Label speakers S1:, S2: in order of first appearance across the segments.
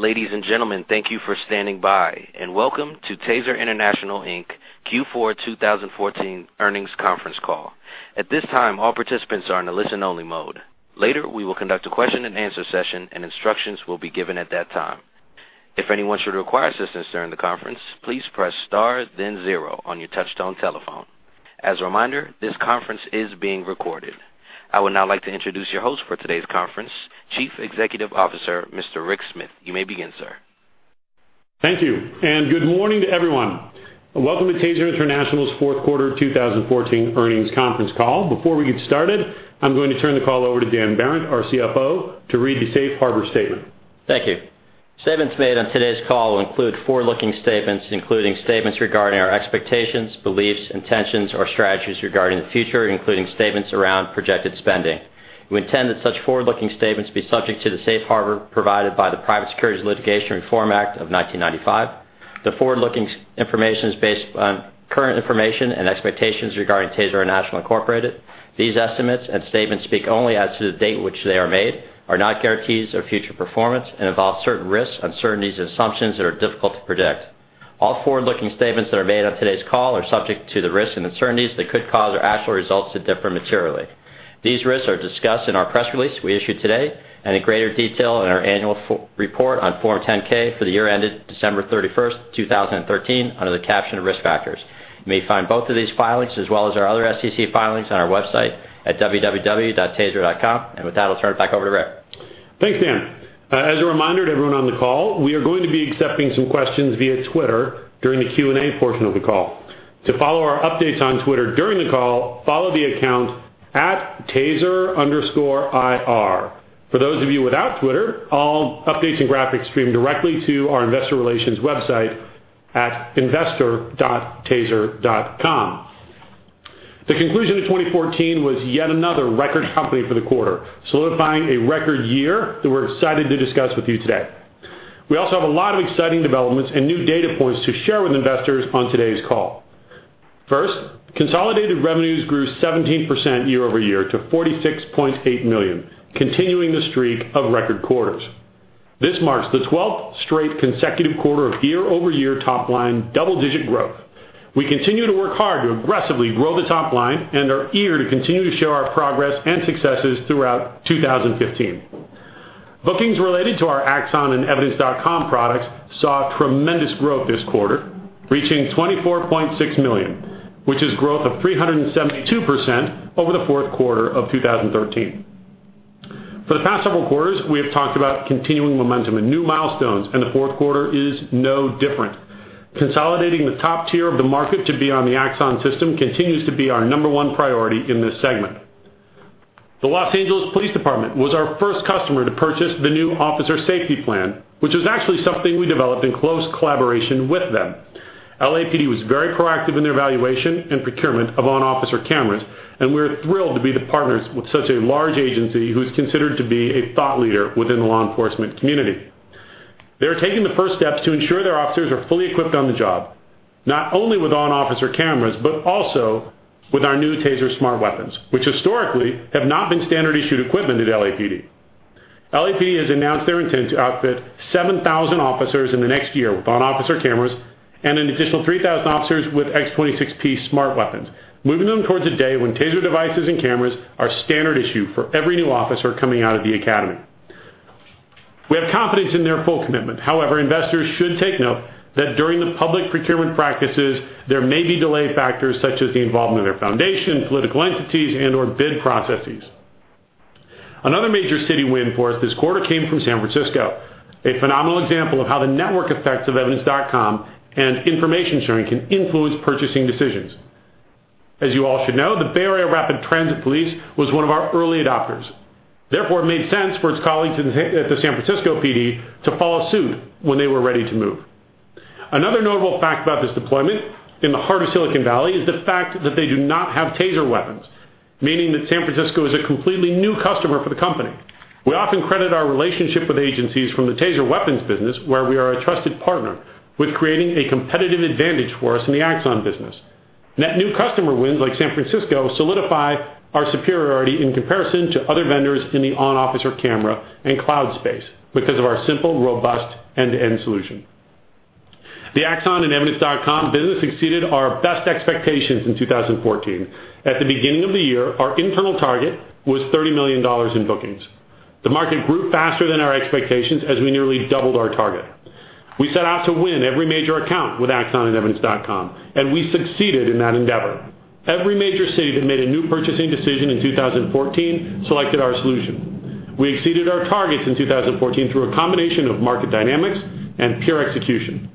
S1: Ladies and gentlemen, thank you for standing by, welcome to TASER International, Inc. Q4 2014 earnings conference call. At this time, all participants are in a listen-only mode. Later, we will conduct a question and answer session, instructions will be given at that time. If anyone should require assistance during the conference, please press star then zero on your touchtone telephone. As a reminder, this conference is being recorded. I would now like to introduce your host for today's conference, Chief Executive Officer, Mr. Rick Smith. You may begin, sir.
S2: Thank you, good morning to everyone. Welcome to TASER International's fourth quarter 2014 earnings conference call. Before we get started, I am going to turn the call over to Dan Behrendt, our CFO, to read the safe harbor statement.
S3: Thank you. Statements made on today's call will include forward-looking statements, including statements regarding our expectations, beliefs, intentions, or strategies regarding the future, including statements around projected spending. We intend that such forward-looking statements be subject to the safe harbor provided by the Private Securities Litigation Reform Act of 1995. The forward-looking information is based on current information and expectations regarding TASER International, Incorporated. These estimates and statements speak only as to the date which they are made, are not guarantees of future performance, involve certain risks, uncertainties, assumptions that are difficult to predict. All forward-looking statements that are made on today's call are subject to the risks uncertainties that could cause our actual results to differ materially. These risks are discussed in our press release we issued today, in greater detail in our annual report on Form 10-K for the year ended December 31st, 2013, under the caption Risk Factors. You may find both of these filings, as well as our other SEC filings, on our website at www.taser.com. With that, I will turn it back over to Rick.
S2: Thanks, Dan. As a reminder to everyone on the call, we are going to be accepting some questions via Twitter during the Q&A portion of the call. To follow our updates on Twitter during the call, follow the account @taser_ir. For those of you without Twitter, all updates and graphics stream directly to our investor relations website at investor.taser.com. The conclusion of 2014 was yet another record company for the quarter, solidifying a record year that we're excited to discuss with you today. We also have a lot of exciting developments and new data points to share with investors on today's call. First, consolidated revenues grew 17% year-over-year to $46.8 million, continuing the streak of record quarters. This marks the 12th straight consecutive quarter of year-over-year top-line double-digit growth. We continue to work hard to aggressively grow the top-line and are eager to continue to show our progress and successes throughout 2015. Bookings related to our Axon and EVIDENCE.com products saw tremendous growth this quarter, reaching $24.6 million, which is growth of 372% over the fourth quarter of 2013. For the past several quarters, we have talked about continuing momentum and new milestones, and the fourth quarter is no different. Consolidating the top tier of the market to be on the Axon system continues to be our number one priority in this segment. The Los Angeles Police Department was our first customer to purchase the new Officer Safety Plan, which was actually something we developed in close collaboration with them. LAPD was very proactive in their evaluation and procurement of on-officer cameras, and we're thrilled to be the partners with such a large agency who's considered to be a thought leader within the law enforcement community. They're taking the first steps to ensure their officers are fully equipped on the job, not only with on-officer cameras, but also with our new TASER smart weapons, which historically have not been standard issued equipment at LAPD. LAPD has announced their intent to outfit 7,000 officers in the next year with on-officer cameras and an additional 3,000 officers with X26P smart weapons, moving them towards a day when TASER devices and cameras are standard issue for every new officer coming out of the academy. We have confidence in their full commitment. However, investors should take note that during the public procurement practices, there may be delay factors such as the involvement of their foundation, political entities, and/or bid processes. Another major city win for us this quarter came from San Francisco, a phenomenal example of how the network effects of EVIDENCE.com and information sharing can influence purchasing decisions. As you all should know, the Bay Area Rapid Transit Police was one of our early adopters. Therefore, it made sense for its colleagues at the San Francisco PD to follow suit when they were ready to move. Another notable fact about this deployment in the heart of Silicon Valley is the fact that they do not have TASER weapons, meaning that San Francisco is a completely new customer for the company. We often credit our relationship with agencies from the TASER weapons business, where we are a trusted partner, with creating a competitive advantage for us in the Axon business. Net new customer wins like San Francisco solidify our superiority in comparison to other vendors in the on-officer camera and cloud space because of our simple, robust end-to-end solution. The Axon and Evidence.com business exceeded our best expectations in 2014. At the beginning of the year, our internal target was $30 million in bookings. The market grew faster than our expectations as we nearly doubled our target. We set out to win every major account with Axon and Evidence.com, and we succeeded in that endeavor. Every major city that made a new purchasing decision in 2014 selected our solution. We exceeded our targets in 2014 through a combination of market dynamics and pure execution.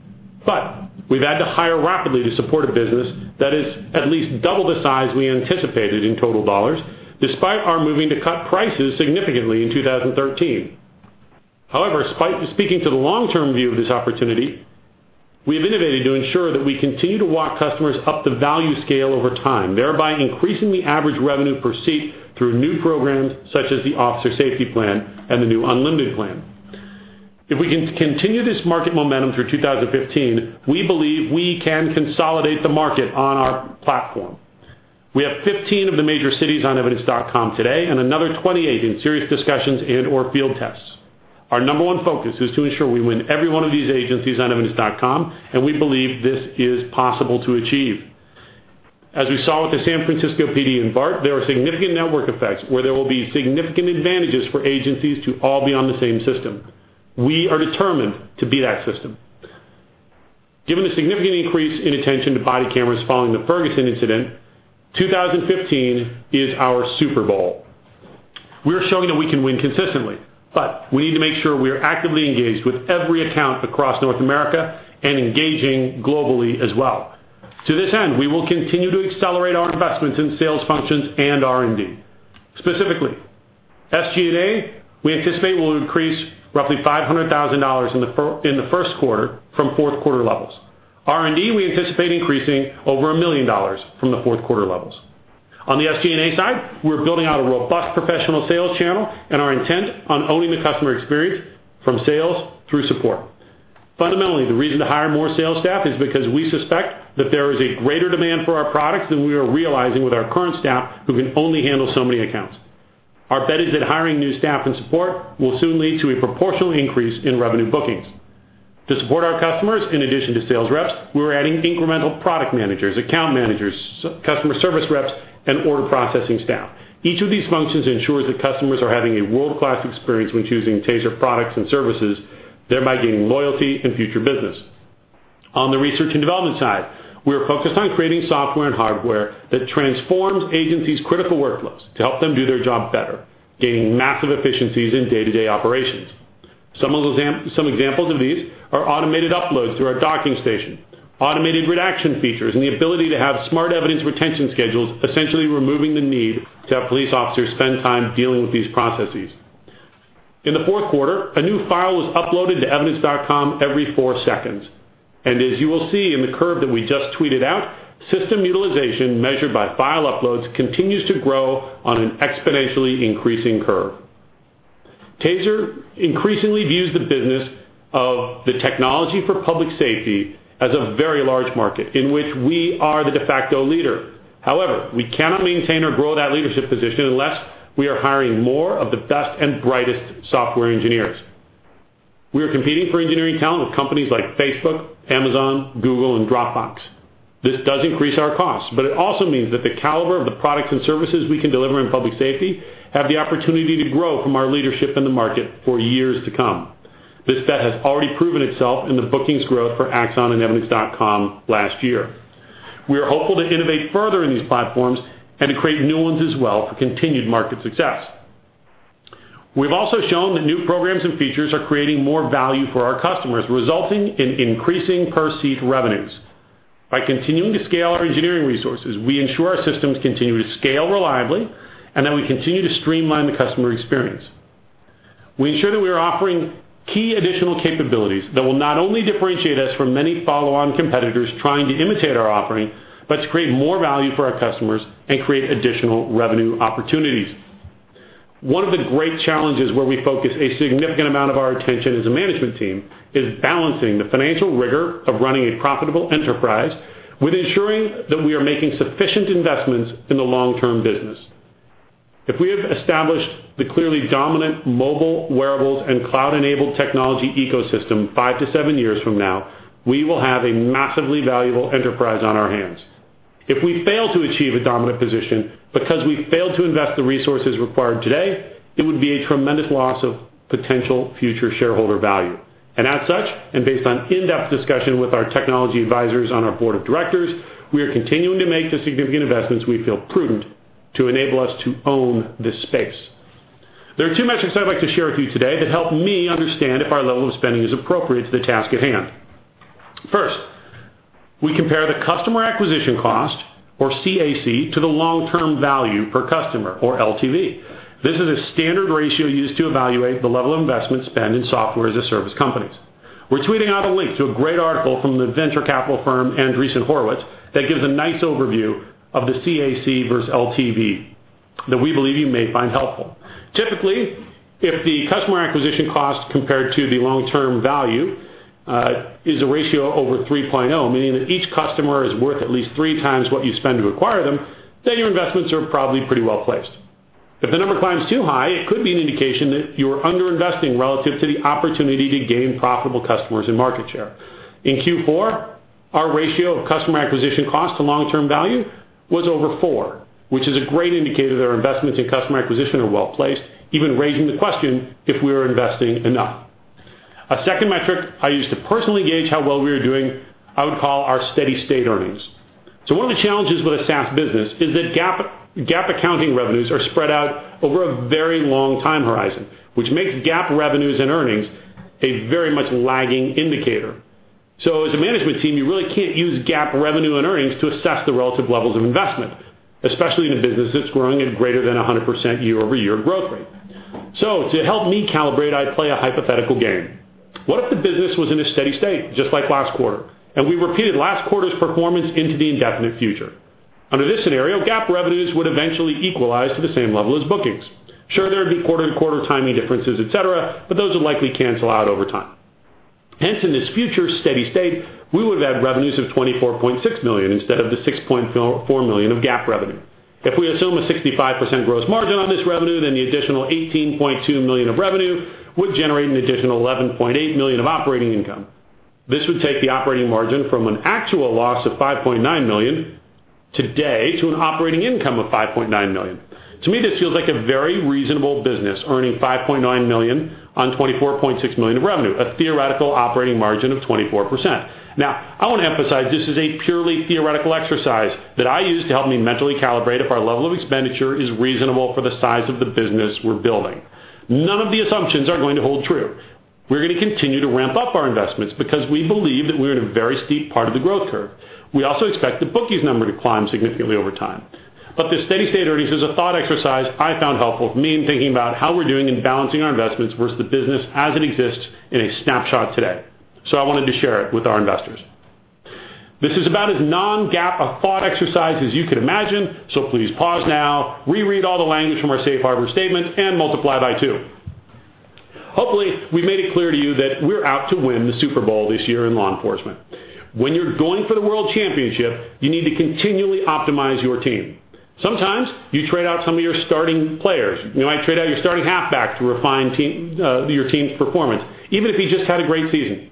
S2: We've had to hire rapidly to support a business that is at least double the size we anticipated in total dollars, despite our moving to cut prices significantly in 2013. Speaking to the long-term view of this opportunity, we have innovated to ensure that we continue to walk customers up the value scale over time, thereby increasing the average revenue per seat through new programs such as the Officer Safety Plan and the new Unlimited Plan. If we can continue this market momentum through 2015, we believe we can consolidate the market on our platform. We have 15 of the major cities on Evidence.com today, and another 28 in serious discussions and/or field tests. Our number one focus is to ensure we win every one of these agencies on Evidence.com, and we believe this is possible to achieve. As we saw with the San Francisco PD and BART, there are significant network effects where there will be significant advantages for agencies to all be on the same system. We are determined to be that system. Given the significant increase in attention to body cameras following the Ferguson incident, 2015 is our Super Bowl. We are showing that we can win consistently, but we need to make sure we are actively engaged with every account across North America and engaging globally as well. To this end, we will continue to accelerate our investments in sales functions and R&D. SG&A, we anticipate will increase roughly $500,000 in the first quarter from fourth quarter levels. R&D, we anticipate increasing over $1 million from the fourth quarter levels. SG&A side, we're building out a robust professional sales channel and are intent on owning the customer experience from sales through support. Fundamentally, the reason to hire more sales staff is because we suspect that there is a greater demand for our products than we are realizing with our current staff, who can only handle so many accounts. Our bet is that hiring new staff and support will soon lead to a proportional increase in revenue bookings. To support our customers, in addition to sales reps, we're adding incremental product managers, account managers, customer service reps, and order processing staff. Each of these functions ensures that customers are having a world-class experience when choosing TASER products and services, thereby gaining loyalty and future business. On the research and development side, we are focused on creating software and hardware that transforms agencies' critical workflows to help them do their job better, gaining massive efficiencies in day-to-day operations. Some examples of these are automated uploads through our docking station, automated redaction features, and the ability to have smart evidence retention schedules, essentially removing the need to have police officers spend time dealing with these processes. In the fourth quarter, a new file was uploaded to EVIDENCE.com every four seconds. As you will see in the curve that we just tweeted out, system utilization measured by file uploads continues to grow on an exponentially increasing curve. TASER increasingly views the business of the technology for public safety as a very large market in which we are the de facto leader. We cannot maintain or grow that leadership position unless we are hiring more of the best and brightest software engineers. We are competing for engineering talent with companies like Facebook, Amazon, Google, and Dropbox. This does increase our costs, but it also means that the caliber of the products and services we can deliver in public safety have the opportunity to grow from our leadership in the market for years to come. This bet has already proven itself in the bookings growth for Axon and EVIDENCE.com last year. We are hopeful to innovate further in these platforms and to create new ones as well for continued market success. We've also shown that new programs and features are creating more value for our customers, resulting in increasing per-seat revenues. By continuing to scale our engineering resources, we ensure our systems continue to scale reliably and that we continue to streamline the customer experience. We ensure that we are offering key additional capabilities that will not only differentiate us from many follow-on competitors trying to imitate our offering, but to create more value for our customers and create additional revenue opportunities. One of the great challenges where we focus a significant amount of our attention as a management team is balancing the financial rigor of running a profitable enterprise with ensuring that we are making sufficient investments in the long-term business. If we have established the clearly dominant mobile, wearables, and cloud-enabled technology ecosystem 5 to 7 years from now, we will have a massively valuable enterprise on our hands. If we fail to achieve a dominant position because we failed to invest the resources required today, it would be a tremendous loss of potential future shareholder value. As such, based on in-depth discussion with our technology advisors on our board of directors, we are continuing to make the significant investments we feel prudent to enable us to own this space. There are two metrics I'd like to share with you today that help me understand if our level of spending is appropriate to the task at hand. First, we compare the customer acquisition cost, or CAC, to the long-term value per customer, or LTV. This is a standard ratio used to evaluate the level of investment spent in software as a service companies. We're tweeting out a link to a great article from the venture capital firm Andreessen Horowitz that gives a nice overview of the CAC versus LTV that we believe you may find helpful. Typically, if the customer acquisition cost compared to the long-term value is a ratio over 3.0, meaning that each customer is worth at least three times what you spend to acquire them, then your investments are probably pretty well-placed. If the number climbs too high, it could be an indication that you are under-investing relative to the opportunity to gain profitable customers and market share. In Q4, our ratio of customer acquisition cost to long-term value was over four, which is a great indicator that our investments in customer acquisition are well-placed, even raising the question if we are investing enough. A second metric I use to personally gauge how well we are doing, I would call our steady state earnings. One of the challenges with a SaaS business is that GAAP accounting revenues are spread out over a very long time horizon, which makes GAAP revenues and earnings a very much lagging indicator. As a management team, you really can't use GAAP revenue and earnings to assess the relative levels of investment, especially in a business that's growing at greater than 100% year-over-year growth rate. To help me calibrate, I play a hypothetical game. What if the business was in a steady state, just like last quarter, and we repeated last quarter's performance into the indefinite future? Under this scenario, GAAP revenues would eventually equalize to the same level as bookings. Sure, there would be quarter-to-quarter timing differences, et cetera, but those would likely cancel out over time. Hence, in this future steady state, we would have had revenues of $24.6 million instead of the $6.4 million of GAAP revenue. If we assume a 65% gross margin on this revenue, then the additional $18.2 million of revenue would generate an additional $11.8 million of operating income. This would take the operating margin from an actual loss of $5.9 million today to an operating income of $5.9 million. To me, this feels like a very reasonable business, earning $5.9 million on $24.6 million of revenue, a theoretical operating margin of 24%. I want to emphasize this is a purely theoretical exercise that I use to help me mentally calibrate if our level of expenditure is reasonable for the size of the business we're building. None of the assumptions are going to hold true. We're going to continue to ramp up our investments because we believe that we're in a very steep part of the growth curve. We also expect the bookings number to climb significantly over time. The steady-state earnings is a thought exercise I found helpful for me in thinking about how we're doing in balancing our investments versus the business as it exists in a snapshot today. I wanted to share it with our investors. This is about as non-GAAP a thought exercise as you could imagine, please pause now, reread all the language from our safe harbor statements, and multiply by two. Hopefully, we've made it clear to you that we're out to win the Super Bowl this year in law enforcement. When you're going for the world championship, you need to continually optimize your team. Sometimes you trade out some of your starting players. You might trade out your starting halfback to refine your team's performance, even if he just had a great season.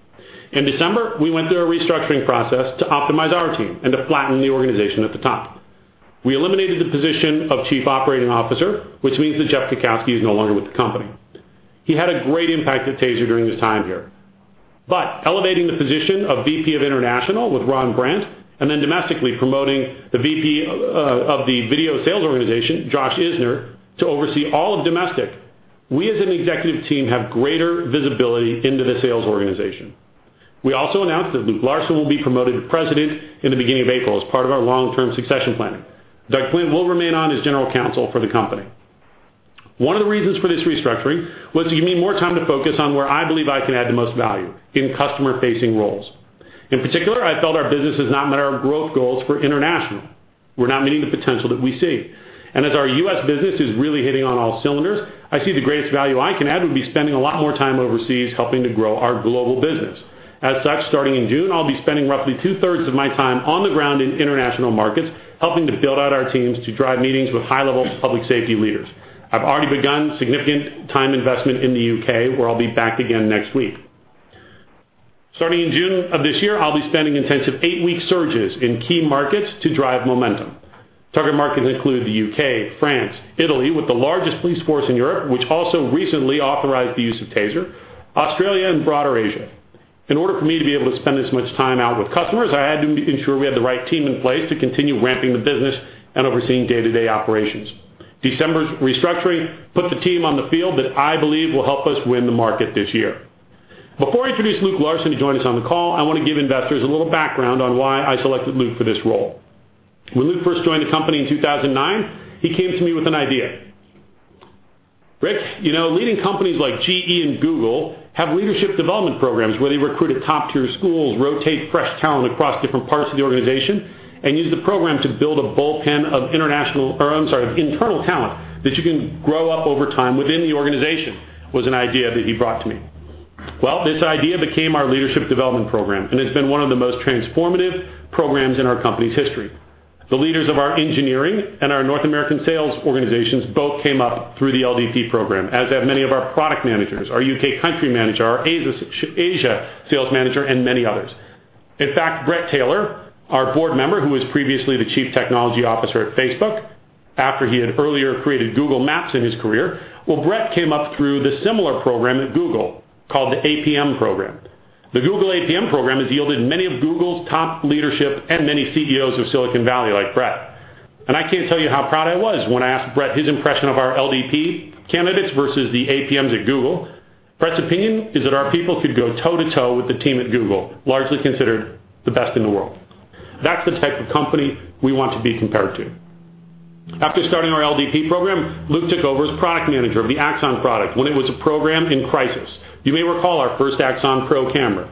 S2: In December, we went through a restructuring process to optimize our team and to flatten the organization at the top. We eliminated the position of Chief Operating Officer, which means that Jeff Kietzke is no longer with the company. He had a great impact at TASER during his time here. Elevating the position of VP of international with Ron Brandt and then domestically promoting the VP of the video sales organization, Josh Isner, to oversee all of domestic, we as an executive team have greater visibility into the sales organization. We also announced that Luke Larson will be promoted to President in the beginning of April as part of our long-term succession planning. Doug Klint will remain on as General Counsel for the company. One of the reasons for this restructuring was to give me more time to focus on where I believe I can add the most value, in customer-facing roles. In particular, I felt our business has not met our growth goals for international. We're not meeting the potential that we see. As our U.S. business is really hitting on all cylinders, I see the greatest value I can add would be spending a lot more time overseas helping to grow our global business. As such, starting in June, I'll be spending roughly two-thirds of my time on the ground in international markets, helping to build out our teams to drive meetings with high-level public safety leaders. I've already begun significant time investment in the U.K., where I'll be back again next week. Starting in June of this year, I'll be spending intensive eight-week surges in key markets to drive momentum. Target markets include the U.K., France, Italy, with the largest police force in Europe, which also recently authorized the use of TASER, Australia, and broader Asia. In order for me to be able to spend as much time out with customers, I had to ensure we had the right team in place to continue ramping the business and overseeing day-to-day operations. December's restructuring put the team on the field that I believe will help us win the market this year. Before I introduce Luke Larson to join us on the call, I want to give investors a little background on why I selected Luke for this role. When Luke first joined the company in 2009, he came to me with an idea. Rick, leading companies like GE and Google have Leadership Development Programs where they recruit at top-tier schools, rotate fresh talent across different parts of the organization, and use the program to build an internal talent that you can grow up over time within the organization," was an idea that he brought to me. This idea became our Leadership Development Program, and it's been one of the most transformative programs in our company's history. The leaders of our engineering and our North American sales organizations both came up through the LDP program, as have many of our product managers, our U.K. country manager, our Asia sales manager, and many others. In fact, Bret Taylor, our board member, who was previously the Chief Technology Officer at Facebook, after he had earlier created Google Maps in his career. Bret came up through the similar program at Google, called the APM program. The Google APM program has yielded many of Google's top leadership and many CEOs of Silicon Valley, like Bret, I can't tell you how proud I was when I asked Bret his impression of our LDP candidates versus the APMs at Google. Bret's opinion is that our people could go toe to toe with the team at Google, largely considered the best in the world. That's the type of company we want to be compared to. After starting our LDP program, Luke took over as product manager of the Axon product when it was a program in crisis. You may recall our first Axon Pro camera,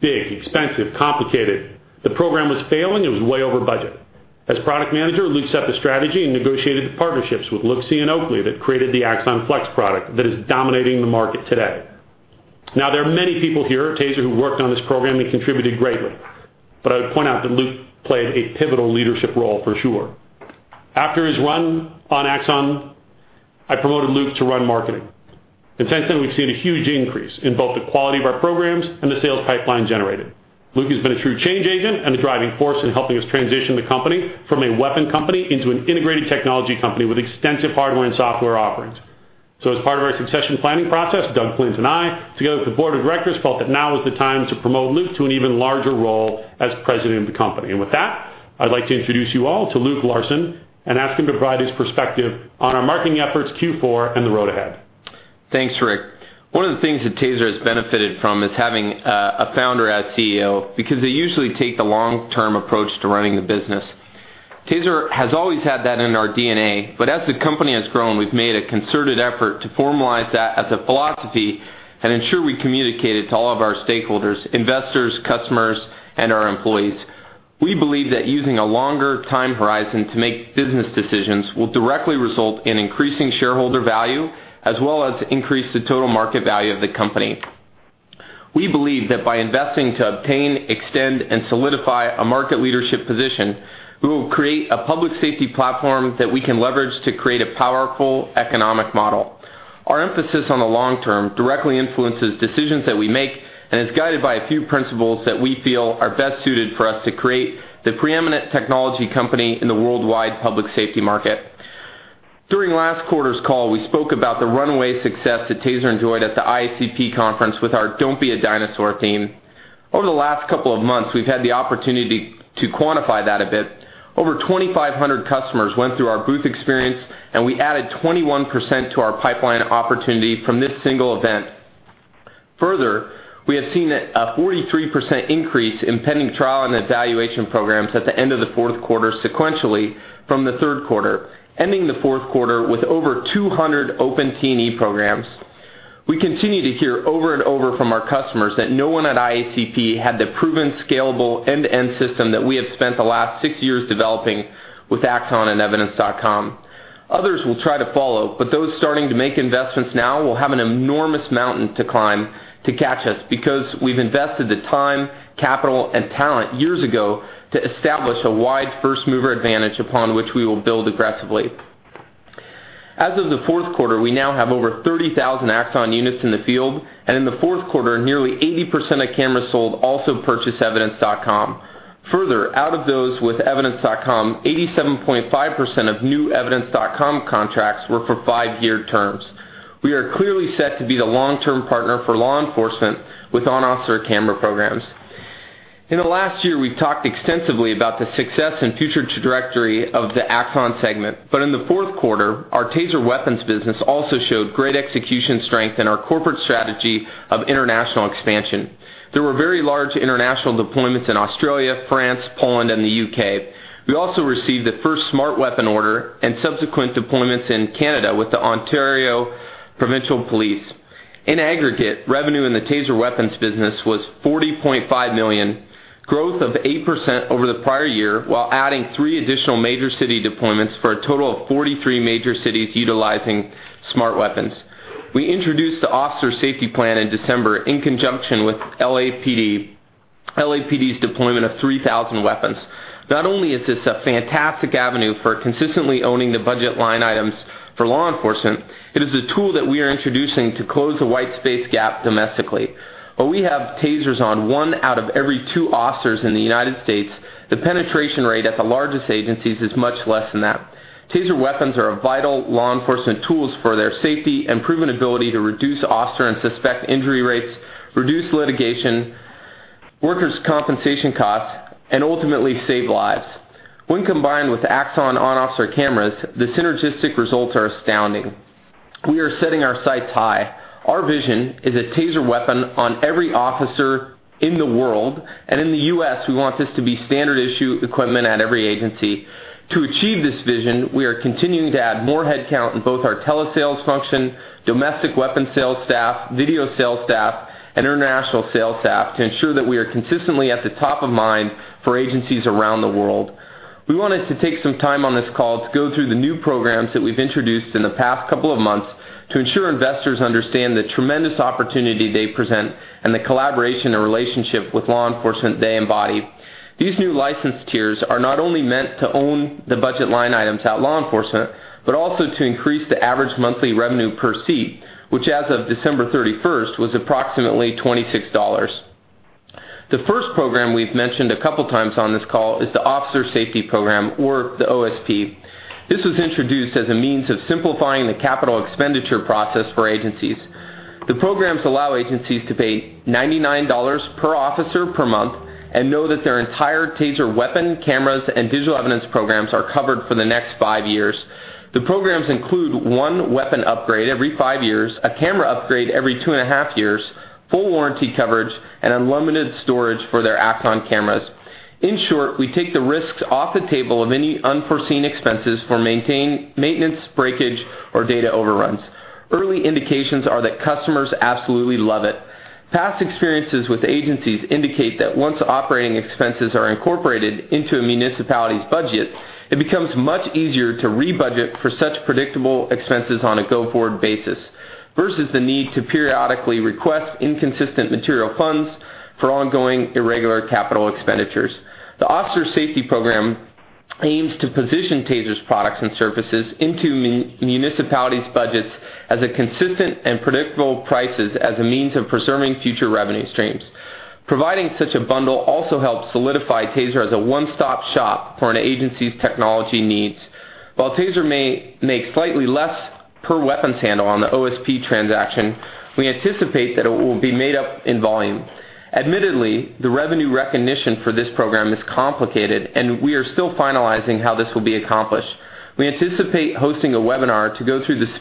S2: big, expensive, complicated. The program was failing. It was way over budget. As product manager, Luke set the strategy and negotiated the partnerships with Luxottica and Oakley that created the Axon Flex product that is dominating the market today. There are many people here at TASER who worked on this program and contributed greatly, but I would point out that Luke played a pivotal leadership role for sure. After his run on Axon, I promoted Luke to run marketing, since then, we've seen a huge increase in both the quality of our programs and the sales pipeline generated. Luke has been a true change agent and a driving force in helping us transition the company from a weapon company into an integrated technology company with extensive hardware and software offerings. As part of our succession planning process, Doug Klint and I, together with the Board of Directors, felt that now is the time to promote Luke to an even larger role as President of the company. With that, I'd like to introduce you all to Luke Larson and ask him to provide his perspective on our marketing efforts, Q4, and the road ahead.
S4: Thanks, Rick. One of the things that Taser has benefited from is having a founder as CEO because they usually take the long-term approach to running the business. Taser has always had that in our DNA, as the company has grown, we've made a concerted effort to formalize that as a philosophy and ensure we communicate it to all of our stakeholders, investors, customers, and our employees. We believe that using a longer time horizon to make business decisions will directly result in increasing shareholder value as well as increase the total market value of the company. We believe that by investing to obtain, extend, and solidify a market leadership position, we will create a public safety platform that we can leverage to create a powerful economic model. Our emphasis on the long term directly influences decisions that we make and is guided by a few principles that we feel are best suited for us to create the preeminent technology company in the worldwide public safety market. During last quarter's call, we spoke about the runaway success that TASER enjoyed at the IACP conference with our Don't Be a Dinosaur theme. Over the last couple of months, we've had the opportunity to quantify that a bit. Over 2,500 customers went through our booth experience, and we added 21% to our pipeline opportunity from this single event. Further, we have seen a 43% increase in pending trial and evaluation programs at the end of the fourth quarter sequentially from the third quarter, ending the fourth quarter with over 200 open T&E programs. We continue to hear over and over from our customers that no one at IACP had the proven, scalable end-to-end system that we have spent the last six years developing with Axon and Evidence.com. Others will try to follow, but those starting to make investments now will have an enormous mountain to climb to catch us because we've invested the time, capital, and talent years ago to establish a wide first-mover advantage upon which we will build aggressively. As of the fourth quarter, we now have over 30,000 Axon units in the field, and in the fourth quarter, nearly 80% of cameras sold also purchased Evidence.com. Further, out of those with Evidence.com, 87.5% of new Evidence.com contracts were for five-year terms. We are clearly set to be the long-term partner for law enforcement with on-officer camera programs. In the last year, we've talked extensively about the success and future trajectory of the Axon segment. In the fourth quarter, our TASER weapons business also showed great execution strength in our corporate strategy of international expansion. There were very large international deployments in Australia, France, Poland, and the U.K. We also received the first Smart Weapon order and subsequent deployments in Canada with the Ontario Provincial Police. In aggregate, revenue in the TASER Weapons business was $40.5 million, growth of 8% over the prior year while adding three additional major city deployments for a total of 43 major cities utilizing Smart Weapons. We introduced the Officer Safety Plan in December in conjunction with LAPD's deployment of 3,000 weapons. Not only is this a fantastic avenue for consistently owning the budget line items for law enforcement, it is a tool that we are introducing to close the white space gap domestically. While we have TASERs on one out of every two officers in the U.S., the penetration rate at the largest agencies is much less than that. TASER weapons are vital law enforcement tools for their safety and proven ability to reduce officer and suspect injury rates, reduce litigation, workers' compensation costs, and ultimately save lives. When combined with Axon on-officer cameras, the synergistic results are astounding. We are setting our sights high. Our vision is a TASER weapon on every officer in the world, and in the U.S., we want this to be standard-issue equipment at every agency. To achieve this vision, we are continuing to add more headcount in both our telesales function, domestic weapons sales staff, Video sales staff, and international sales staff to ensure that we are consistently at the top of mind for agencies around the world. We wanted to take some time on this call to go through the new programs that we've introduced in the past couple of months to ensure investors understand the tremendous opportunity they present and the collaboration and relationship with law enforcement they embody. These new license tiers are not only meant to own the budget line items at law enforcement, but also to increase the average monthly revenue per seat, which as of December 31st, was approximately $26. The first program we've mentioned a couple of times on this call is the Officer Safety Plan or the OSP. This was introduced as a means of simplifying the capital expenditure process for agencies. The programs allow agencies to pay $99 per officer per month and know that their entire TASER weapon, cameras, and digital evidence programs are covered for the next five years. The programs include one weapon upgrade every five years, a camera upgrade every two and a half years, full warranty coverage, and unlimited storage for their Axon cameras. In short, we take the risks off the table of any unforeseen expenses for maintenance, breakage, or data overruns. Early indications are that customers absolutely love it. Past experiences with agencies indicate that once operating expenses are incorporated into a municipality's budget, it becomes much easier to rebudget for such predictable expenses on a go-forward basis versus the need to periodically request inconsistent material funds for ongoing irregular capital expenditures. The Officer Safety Plan aims to position TASER's products and services into municipalities' budgets as a consistent and predictable prices as a means of preserving future revenue streams. Providing such a bundle also helps solidify TASER as a one-stop shop for an agency's technology needs. While TASER may make slightly less per weapons handle on the OSP transaction, we anticipate that it will be made up in volume. Admittedly, the revenue recognition for this program is complicated, and we are still finalizing how this will be accomplished. We anticipate hosting a webinar to go through the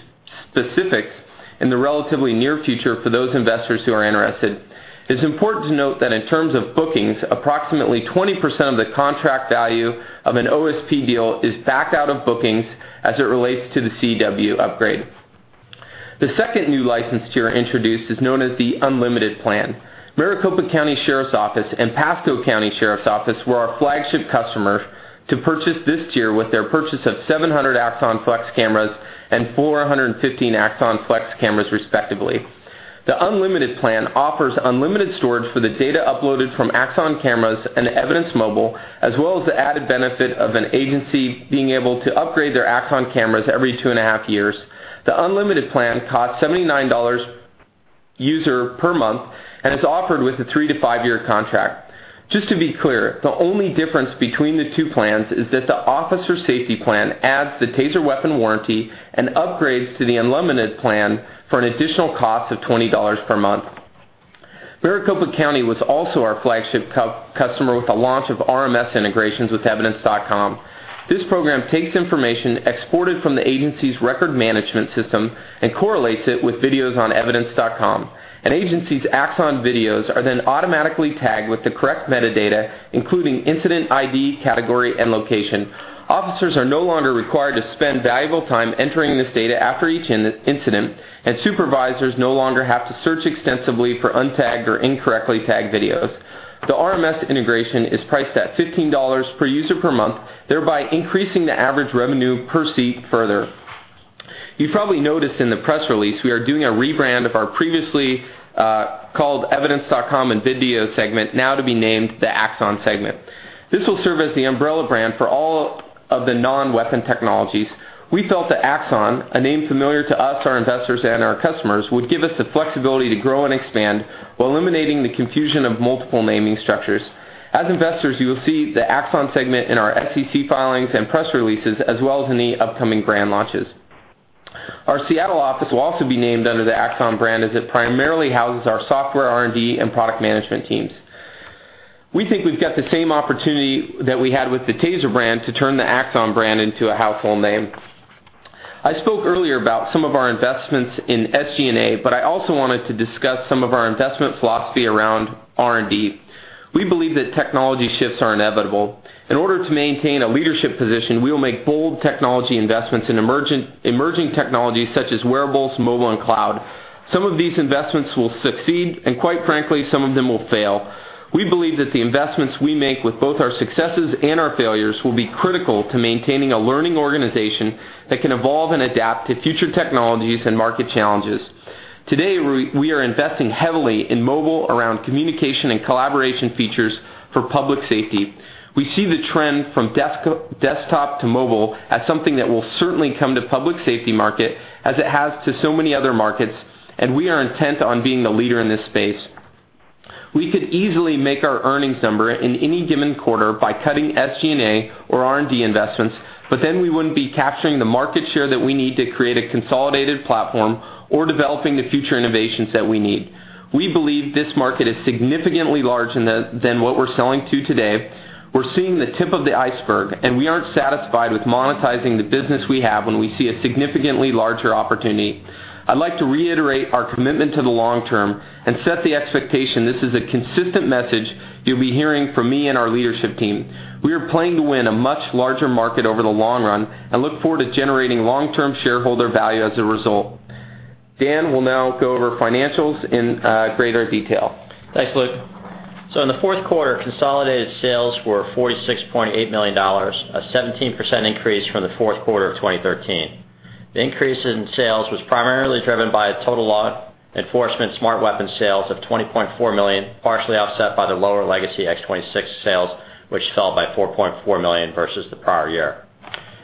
S4: specifics in the relatively near future for those investors who are interested. It's important to note that in terms of bookings, approximately 20% of the contract value of an OSP deal is backed out of bookings as it relates to the CEW upgrade. The second new license tier introduced is known as the Unlimited Plan. Maricopa County Sheriff's Office and Pasco County Sheriff's Office were our flagship customers to purchase this tier with their purchase of 700 Axon Flex cameras and 415 Axon Flex cameras, respectively. The Unlimited Plan offers unlimited storage for the data uploaded from Axon cameras and Evidence Mobile, as well as the added benefit of an agency being able to upgrade their Axon cameras every two and a half years. The Unlimited Plan costs $79 user per month and is offered with a three-to-five-year contract. Just to be clear, the only difference between the two plans is that the Officer Safety Plan adds the TASER weapon warranty and upgrades to the Unlimited Plan for an additional cost of $20 per month. Maricopa County was also our flagship customer with the launch of RMS integrations with Evidence.com. This program takes information exported from the agency's record management system and correlates it with videos on EVIDENCE.com. An agency's Axon videos are then automatically tagged with the correct metadata, including incident ID, category, and location. Officers are no longer required to spend valuable time entering this data after each incident, and supervisors no longer have to search extensively for untagged or incorrectly tagged videos. The RMS integration is priced at $15 per user per month, increasing the average revenue per seat further. You probably noticed in the press release we are doing a rebrand of our previously, called EVIDENCE.com and Video segment, now to be named the Axon segment. This will serve as the umbrella brand for all of the non-weapon technologies. We felt that Axon, a name familiar to us, our investors, and our customers, would give us the flexibility to grow and expand while eliminating the confusion of multiple naming structures. As investors, you will see the Axon segment in our SEC filings and press releases, as well as in the upcoming brand launches. Our Seattle office will also be named under the Axon brand, as it primarily houses our software R&D and product management teams. We think we've got the same opportunity that we had with the TASER brand to turn the Axon brand into a household name. I spoke earlier about some of our investments in SG&A, but I also wanted to discuss some of our investment philosophy around R&D. We believe that technology shifts are inevitable. In order to maintain a leadership position, we will make bold technology investments in emerging technologies such as wearables, mobile, and cloud. Some of these investments will succeed, and quite frankly, some of them will fail. We believe that the investments we make with both our successes and our failures will be critical to maintaining a learning organization that can evolve and adapt to future technologies and market challenges. Today, we are investing heavily in mobile around communication and collaboration features for public safety. We see the trend from desktop to mobile as something that will certainly come to public safety market as it has to so many other markets, and we are intent on being the leader in this space. We could easily make our earnings number in any given quarter by cutting SG&A or R&D investments, but then we wouldn't be capturing the market share that we need to create a consolidated platform or developing the future innovations that we need. We believe this market is significantly larger than what we're selling to today. We're seeing the tip of the iceberg, and we aren't satisfied with monetizing the business we have when we see a significantly larger opportunity. I'd like to reiterate our commitment to the long term and set the expectation this is a consistent message you'll be hearing from me and our leadership team. We are playing to win a much larger market over the long run and look forward to generating long-term shareholder value as a result. Dan will now go over financials in greater detail.
S3: Thanks, Luke. In the fourth quarter, consolidated sales were $46.8 million, a 17% increase from the fourth quarter of 2013. The increase in sales was primarily driven by total law enforcement Smart Weapon sales of $20.4 million, partially offset by the lower legacy TASER X26 sales, which fell by $4.4 million versus the prior year.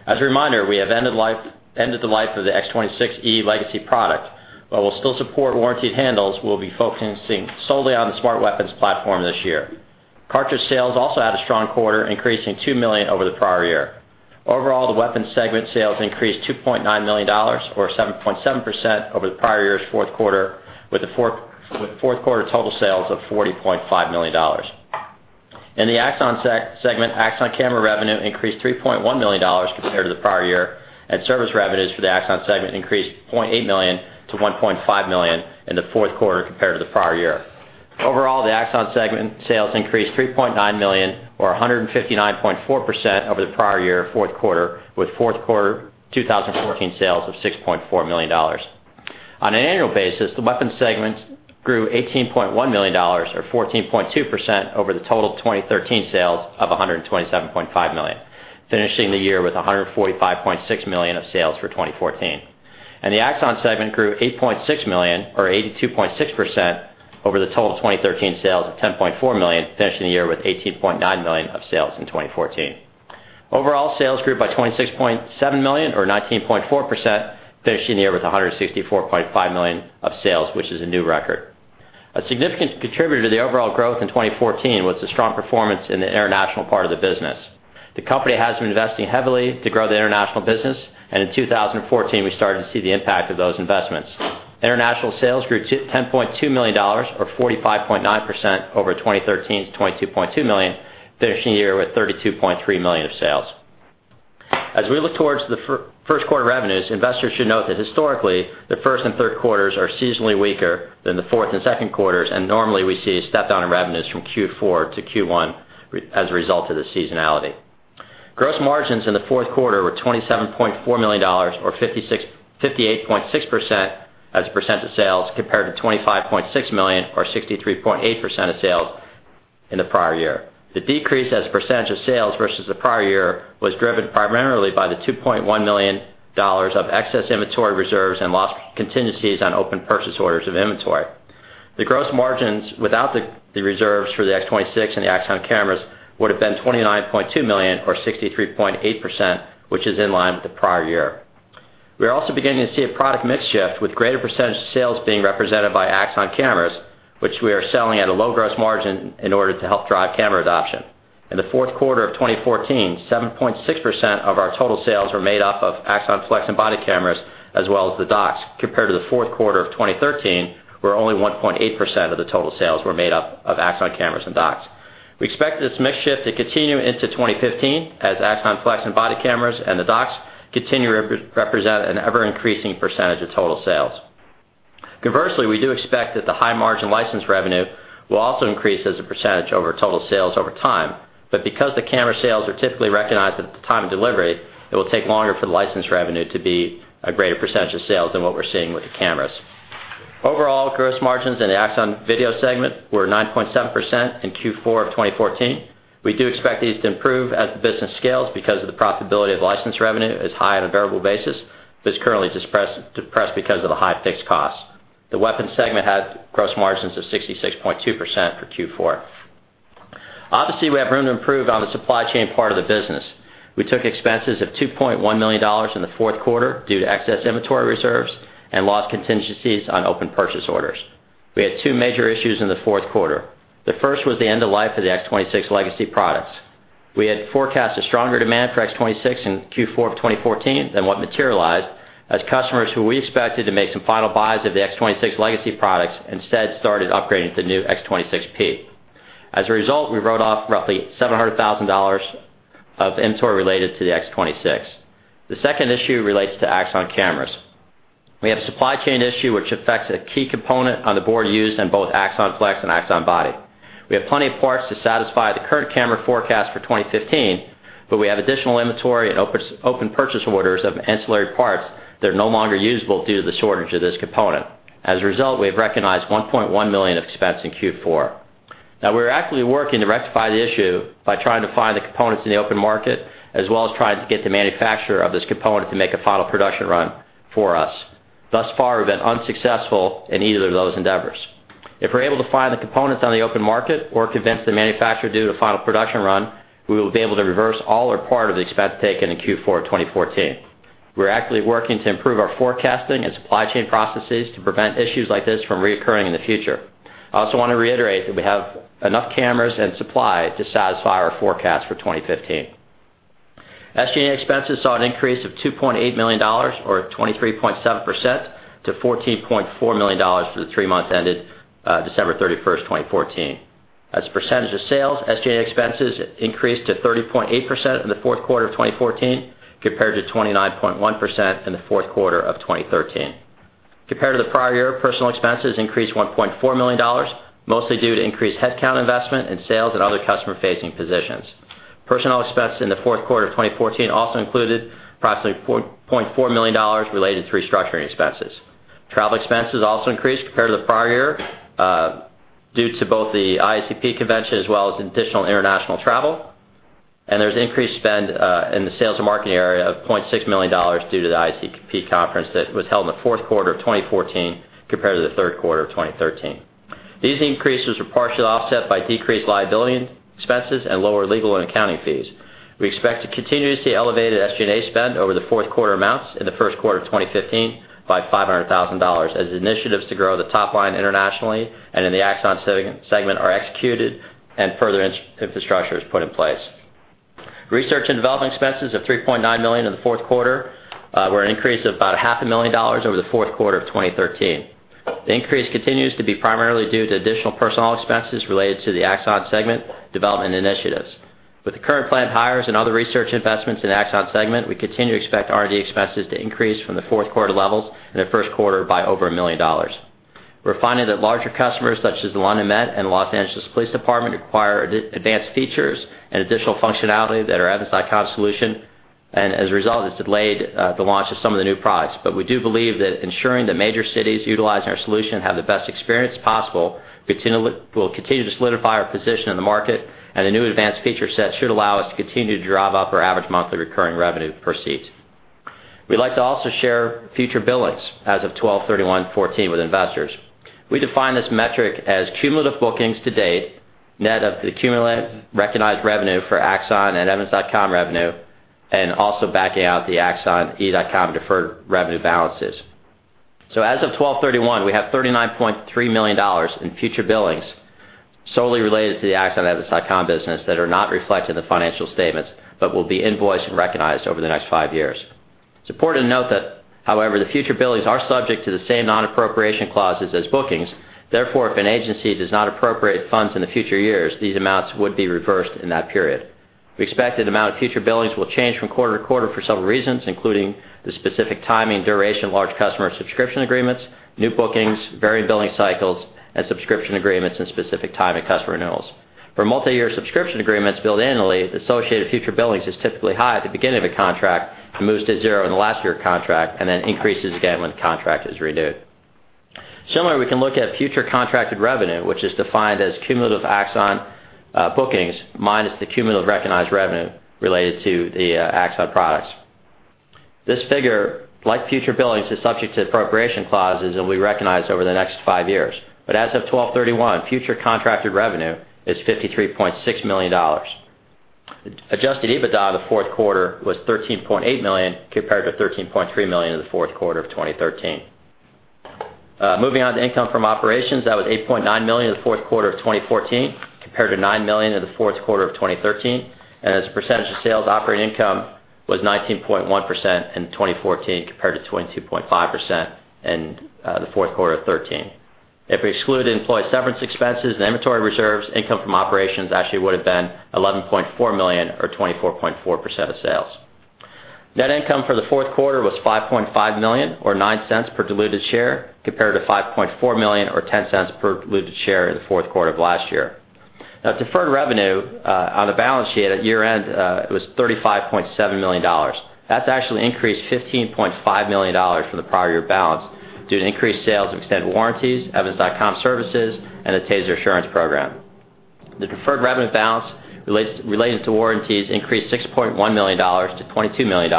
S3: As a reminder, we have ended the life of the TASER X26E legacy product. While we'll still support warrantied handles, we'll be focusing solely on the Smart Weapons platform this year. Cartridge sales also had a strong quarter, increasing $2 million over the prior year. Overall, the weapons segment sales increased $2.9 million, or 7.7%, over the prior year's fourth quarter, with fourth quarter total sales of $40.5 million. In the Axon Segment, Axon camera revenue increased $3.1 million compared to the prior year, and service revenues for the Axon Segment increased $0.8 million to $1.5 million in the fourth quarter compared to the prior year. Overall, the Axon Segment sales increased $3.9 million, or 159.4%, over the prior year fourth quarter, with fourth quarter 2014 sales of $6.4 million. On an annual basis, the weapons segment grew $18.1 million, or 14.2%, over the total 2013 sales of $127.5 million, finishing the year with $145.6 million of sales for 2014. The Axon Segment grew $8.6 million, or 82.6%, over the total 2013 sales of $10.4 million, finishing the year with $18.9 million of sales in 2014. Overall sales grew by $26.7 million or 19.4%, finishing the year with $164.5 million of sales, which is a new record. A significant contributor to the overall growth in 2014 was the strong performance in the international part of the business. The company has been investing heavily to grow the international business, and in 2014, we started to see the impact of those investments. International sales grew to $10.2 million, or 45.9%, over 2013's $22.2 million, finishing the year with $32.3 million of sales. As we look towards the first quarter revenues, investors should note that historically, the first and third quarters are seasonally weaker than the fourth and second quarters, and normally we see a step down in revenues from Q4 to Q1 as a result of the seasonality. Gross margins in the fourth quarter were $27.4 million, or 58.6% as a percent of sales, compared to $25.6 million, or 63.8% of sales in the prior year. The decrease as a percentage of sales versus the prior year was driven primarily by the $2.1 million of excess inventory reserves and loss contingencies on open purchase orders of inventory. The gross margins without the reserves for the TASER X26 and the Axon cameras would have been $29.2 million or 63.8%, which is in line with the prior year. We are also beginning to see a product mix shift, with greater percentage of sales being represented by Axon cameras, which we are selling at a low gross margin in order to help drive camera adoption. In the fourth quarter of 2014, 7.6% of our total sales were made up of Axon Flex and Axon Body cameras, as well as the docks, compared to the fourth quarter of 2013, where only 1.8% of the total sales were made up of Axon cameras and docks. We expect this mix shift to continue into 2015 as Axon Flex and body cameras and the docks continue to represent an ever-increasing percentage of total sales. Conversely, we do expect that the high-margin license revenue will also increase as a percentage over total sales over time, but because the camera sales are typically recognized at the time of delivery, it will take longer for the license revenue to be a greater percentage of sales than what we're seeing with the cameras. Overall, gross margins in the Axon Video segment were 9.7% in Q4 of 2014. We do expect these to improve as the business scales because the profitability of license revenue is high on a variable basis, but is currently depressed because of the high fixed costs. The weapons segment had gross margins of 66.2% for Q4. Obviously, we have room to improve on the supply chain part of the business. We took expenses of $2.1 million in the fourth quarter due to excess inventory reserves and loss contingencies on open purchase orders. We had two major issues in the fourth quarter. The first was the end of life of the X26 legacy products. We had forecast a stronger demand for X26 in Q4 of 2014 than what materialized, as customers who we expected to make some final buys of the X26 legacy products instead started upgrading to the new X26P. As a result, we wrote off roughly $700,000 of inventory related to the X26. The second issue relates to Axon cameras. We have a supply chain issue which affects a key component on the board used in both Axon Flex and Axon Body. We have plenty of parts to satisfy the current camera forecast for 2015, but we have additional inventory and open purchase orders of ancillary parts that are no longer usable due to the shortage of this component. As a result, we have recognized $1.1 million of expense in Q4. Now, we are actively working to rectify the issue by trying to find the components in the open market, as well as trying to get the manufacturer of this component to make a final production run for us. Thus far, we've been unsuccessful in either of those endeavors. If we're able to find the components on the open market or convince the manufacturer to do the final production run, we will be able to reverse all or part of the expense taken in Q4 of 2014. We're actively working to improve our forecasting and supply chain processes to prevent issues like this from reoccurring in the future. I also want to reiterate that we have enough cameras and supply to satisfy our forecast for 2015. SG&A expenses saw an increase of $2.8 million, or 23.7%, to $14.4 million for the three months ended December 31, 2014. As a percentage of sales, SG&A expenses increased to 30.8% in the fourth quarter of 2014, compared to 29.1% in the fourth quarter of 2013. Compared to the prior year, personnel expenses increased $1.4 million, mostly due to increased headcount investment in sales and other customer-facing positions. Personnel expense in the fourth quarter of 2014 also included approximately $4.4 million related to restructuring expenses. Travel expenses also increased compared to the prior year, due to both the IACP conference as well as additional international travel. There's increased spend in the sales and marketing area of $0.6 million due to the IACP conference that was held in the fourth quarter of 2014 compared to the third quarter of 2013. These increases were partially offset by decreased liability expenses and lower legal and accounting fees. We expect to continue to see elevated SG&A spend over the fourth quarter amounts in the first quarter of 2015 by $500,000 as initiatives to grow the top line internationally and in the Axon segment are executed and further infrastructure is put in place. Research and development expenses of $3.9 million in the fourth quarter were an increase of about half a million dollars over the fourth quarter of 2013. The increase continues to be primarily due to additional personnel expenses related to the Axon segment development initiatives. With the current planned hires and other research investments in Axon segment, we continue to expect R&D expenses to increase from the fourth quarter levels in the first quarter by over $1 million. We're finding that larger customers such as London Met and Los Angeles Police Department require advanced features and additional functionality that are EVIDENCE.com solution. As a result, it's delayed the launch of some of the new products. We do believe that ensuring that major cities utilizing our solution have the best experience possible will continue to solidify our position in the market, and the new advanced feature set should allow us to continue to drive up our average monthly recurring revenue per seat. We'd like to also share future billings as of 12/31/2014 with investors. We define this metric as cumulative bookings to date, net of the cumulative recognized revenue for Axon and EVIDENCE.com revenue, and also backing out the Axon EVIDENCE.com deferred revenue balances. As of 12/31/2014, we have $39.3 million in future billings solely related to the Axon EVIDENCE.com business that are not reflected in the financial statements but will be invoiced and recognized over the next five years. It's important to note that, however, the future billings are subject to the same non-appropriation clauses as bookings. Therefore, if an agency does not appropriate funds in the future years, these amounts would be reversed in that period. We expect that amount of future billings will change from quarter-to-quarter for several reasons, including the specific timing and duration of large customer subscription agreements, new bookings, varying billing cycles, and subscription agreements and specific timing customer renewals. For multi-year subscription agreements billed annually, the associated future billings is typically high at the beginning of a contract and moves to zero in the last year of contract. Then increases again when the contract is renewed. Similarly, we can look at future contracted revenue, which is defined as cumulative Axon bookings minus the cumulative recognized revenue related to the Axon products. This figure, like future billings, is subject to appropriation clauses and will be recognized over the next five years. As of 12/31/2014, future contracted revenue is $53.6 million. Adjusted EBITDA in the fourth quarter was $13.8 million, compared to $13.3 million in the fourth quarter of 2013. Moving on to income from operations. That was $8.9 million in the fourth quarter of 2014 compared to $9 million in the fourth quarter of 2013. As a percentage of sales, operating income was 19.1% in 2014 compared to 22.5% in the fourth quarter of 2013. If we exclude employee severance expenses and inventory reserves, income from operations actually would have been $11.4 million or 24.4% of sales. Net income for the fourth quarter was $5.5 million or $0.09 per diluted share, compared to $5.4 million or $0.10 per diluted share in the fourth quarter of last year. Deferred revenue on the balance sheet at year-end was $35.7 million. That's actually increased $15.5 million from the prior year balance due to increased sales of extended warranties, EVIDENCE.com services, and the TASER Assurance Plan. The deferred revenue balance relating to warranties increased $6.1 million to $22 million.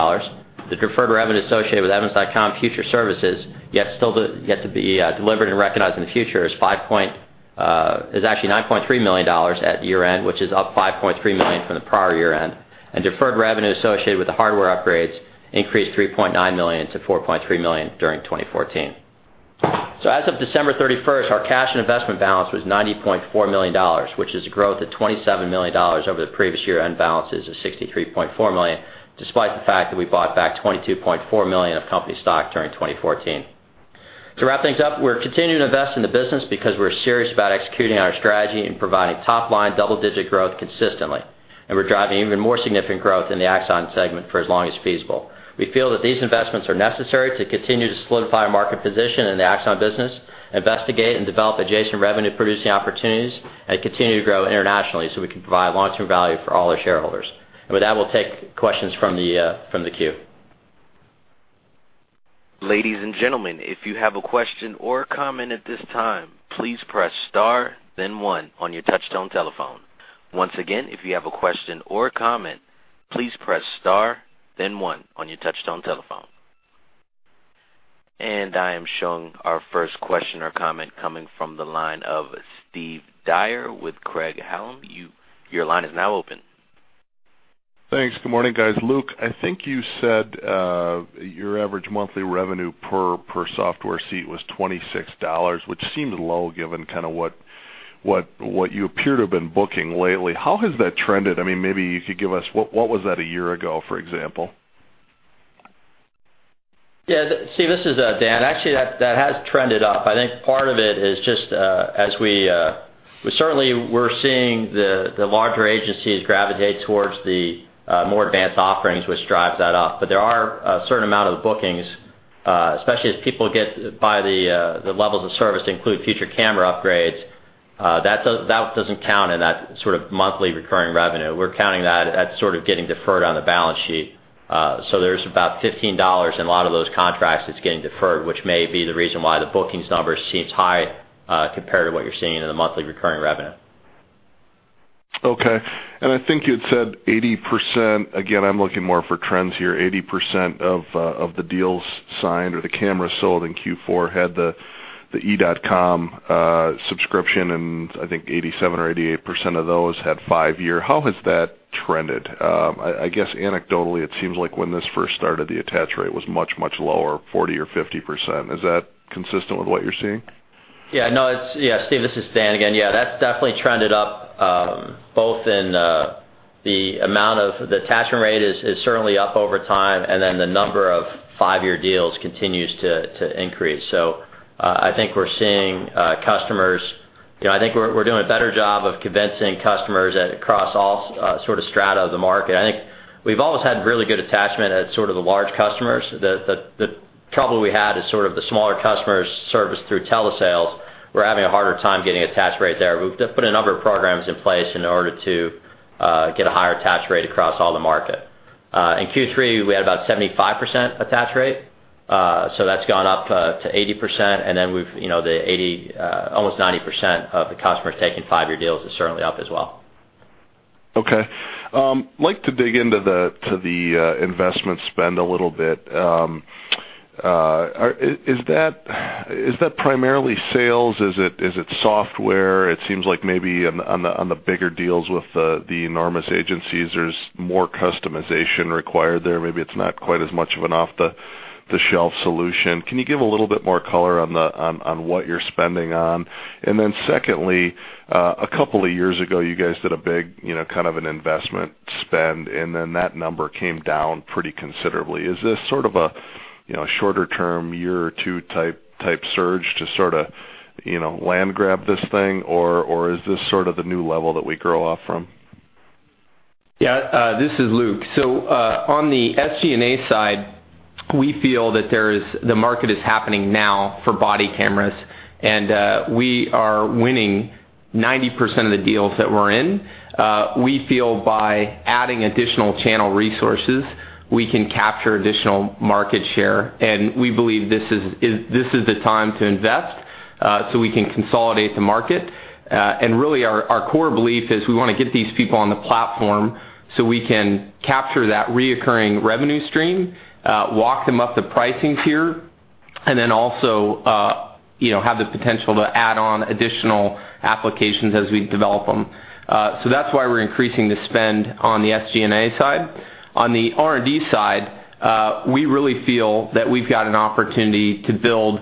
S3: The deferred revenue associated with EVIDENCE.com future services, yet to be delivered and recognized in the future, is actually $9.3 million at year-end, which is up $5.3 million from the prior year-end. Deferred revenue associated with the hardware upgrades increased $3.9 million to $4.3 million during 2014. As of December 31st, our cash and investment balance was $90.4 million, which is a growth of $27 million over the previous year-end balance of $63.4 million, despite the fact that we bought back $22.4 million of company stock during 2014. To wrap things up, we're continuing to invest in the business because we're serious about executing on our strategy and providing top-line double-digit growth consistently. We're driving even more significant growth in the Axon segment for as long as feasible. We feel that these investments are necessary to continue to solidify our market position in the Axon business, investigate and develop adjacent revenue-producing opportunities, and continue to grow internationally so we can provide long-term value for all our shareholders. With that, we'll take questions from the queue.
S1: Ladies and gentlemen, if you have a question or comment at this time, please press star then one on your touchtone telephone. Once again, if you have a question or comment, please press star then one on your touchtone telephone. I am showing our first question or comment coming from the line of Steve Dyer with Craig-Hallum. Your line is now open.
S5: Thanks. Good morning, guys. Luke, I think you said your average monthly revenue per software seat was $26, which seemed low given kind of what you appear to have been booking lately. How has that trended? Maybe you could give us what was that a year ago, for example?
S3: Yeah. Steve, this is Dan. Actually, that has trended up. I think part of it is just as we're certainly seeing the larger agencies gravitate towards the more advanced offerings, which drives that up. There are a certain amount of the bookings, especially as people get by the levels of service, include future camera upgrades. That doesn't count in that sort of monthly recurring revenue. We're counting that as sort of getting deferred on the balance sheet. There's about $15 in a lot of those contracts that's getting deferred, which may be the reason why the bookings number seems high compared to what you're seeing in the monthly recurring revenue.
S5: Okay. I think you'd said 80%. Again, I'm looking more for trends here. 80% of the deals signed or the cameras sold in Q4 had the E.com subscription, I think 87% or 88% of those had five-year. How has that trended? I guess anecdotally, it seems like when this first started, the attach rate was much, much lower, 40% or 50%. Is that consistent with what you're seeing?
S3: Yeah. No, Steve, this is Dan again. Yeah, that's definitely trended up both in the amount of the attachment rate is certainly up over time, the number of five-year deals continues to increase. I think we're doing a better job of convincing customers across all sort of strata of the market. I think we've always had really good attachment at sort of the large customers. The trouble we had is sort of the smaller customers serviced through telesales were having a harder time getting attach rate there. We've put a number of programs in place in order to get a higher attach rate across all the market. In Q3, we had about 75% attach rate, that's gone up to 80%. Almost 90% of the customers taking five-year deals is certainly up as well.
S5: Okay. Like to dig into the investment spend a little bit. Is that primarily sales? Is it software? It seems like maybe on the bigger deals with the enormous agencies, there's more customization required there. Maybe it's not quite as much of an off-the-shelf solution. Can you give a little bit more color on what you're spending on? Secondly, a couple of years ago, you guys did a big kind of an investment spend, then that number came down pretty considerably. Is this sort of a shorter-term year or two type surge to sort of land grab this thing? Or is this sort of the new level that we grow off from?
S4: Yeah, this is Luke. On the SG&A side, we feel that the market is happening now for body cameras, and we are winning 90% of the deals that we're in. We feel by adding additional channel resources, we can capture additional market share, and we believe this is the time to invest, so we can consolidate the market. Our core belief is we want to get these people on the platform so we can capture that recurring revenue stream, walk them up the pricing tier, and also have the potential to add on additional applications as we develop them. That's why we're increasing the spend on the SG&A side. On the R&D side, we really feel that we've got an opportunity to build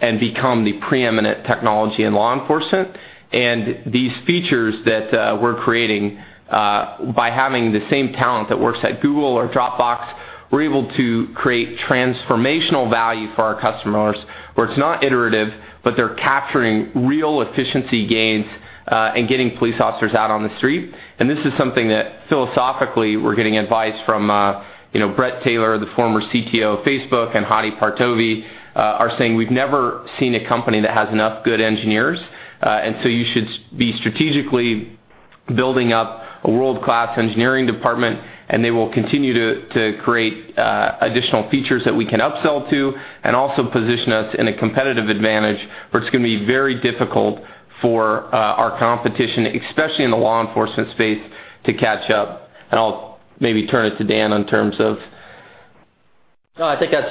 S4: and become the preeminent technology in law enforcement. These features that we're creating, by having the same talent that works at Google or Dropbox, we're able to create transformational value for our customers, where it's not iterative, but they're capturing real efficiency gains, and getting police officers out on the street. This is something that philosophically, we're getting advice from Bret Taylor, the former CTO of Facebook, and Hadi Partovi, are saying, "We've never seen a company that has enough good engineers, you should be strategically building up a world-class engineering department," they will continue to create additional features that we can upsell to, and also position us in a competitive advantage where it's going to be very difficult for our competition, especially in the law enforcement space, to catch up. I'll maybe turn it to Dan in terms of-
S3: No, I think that's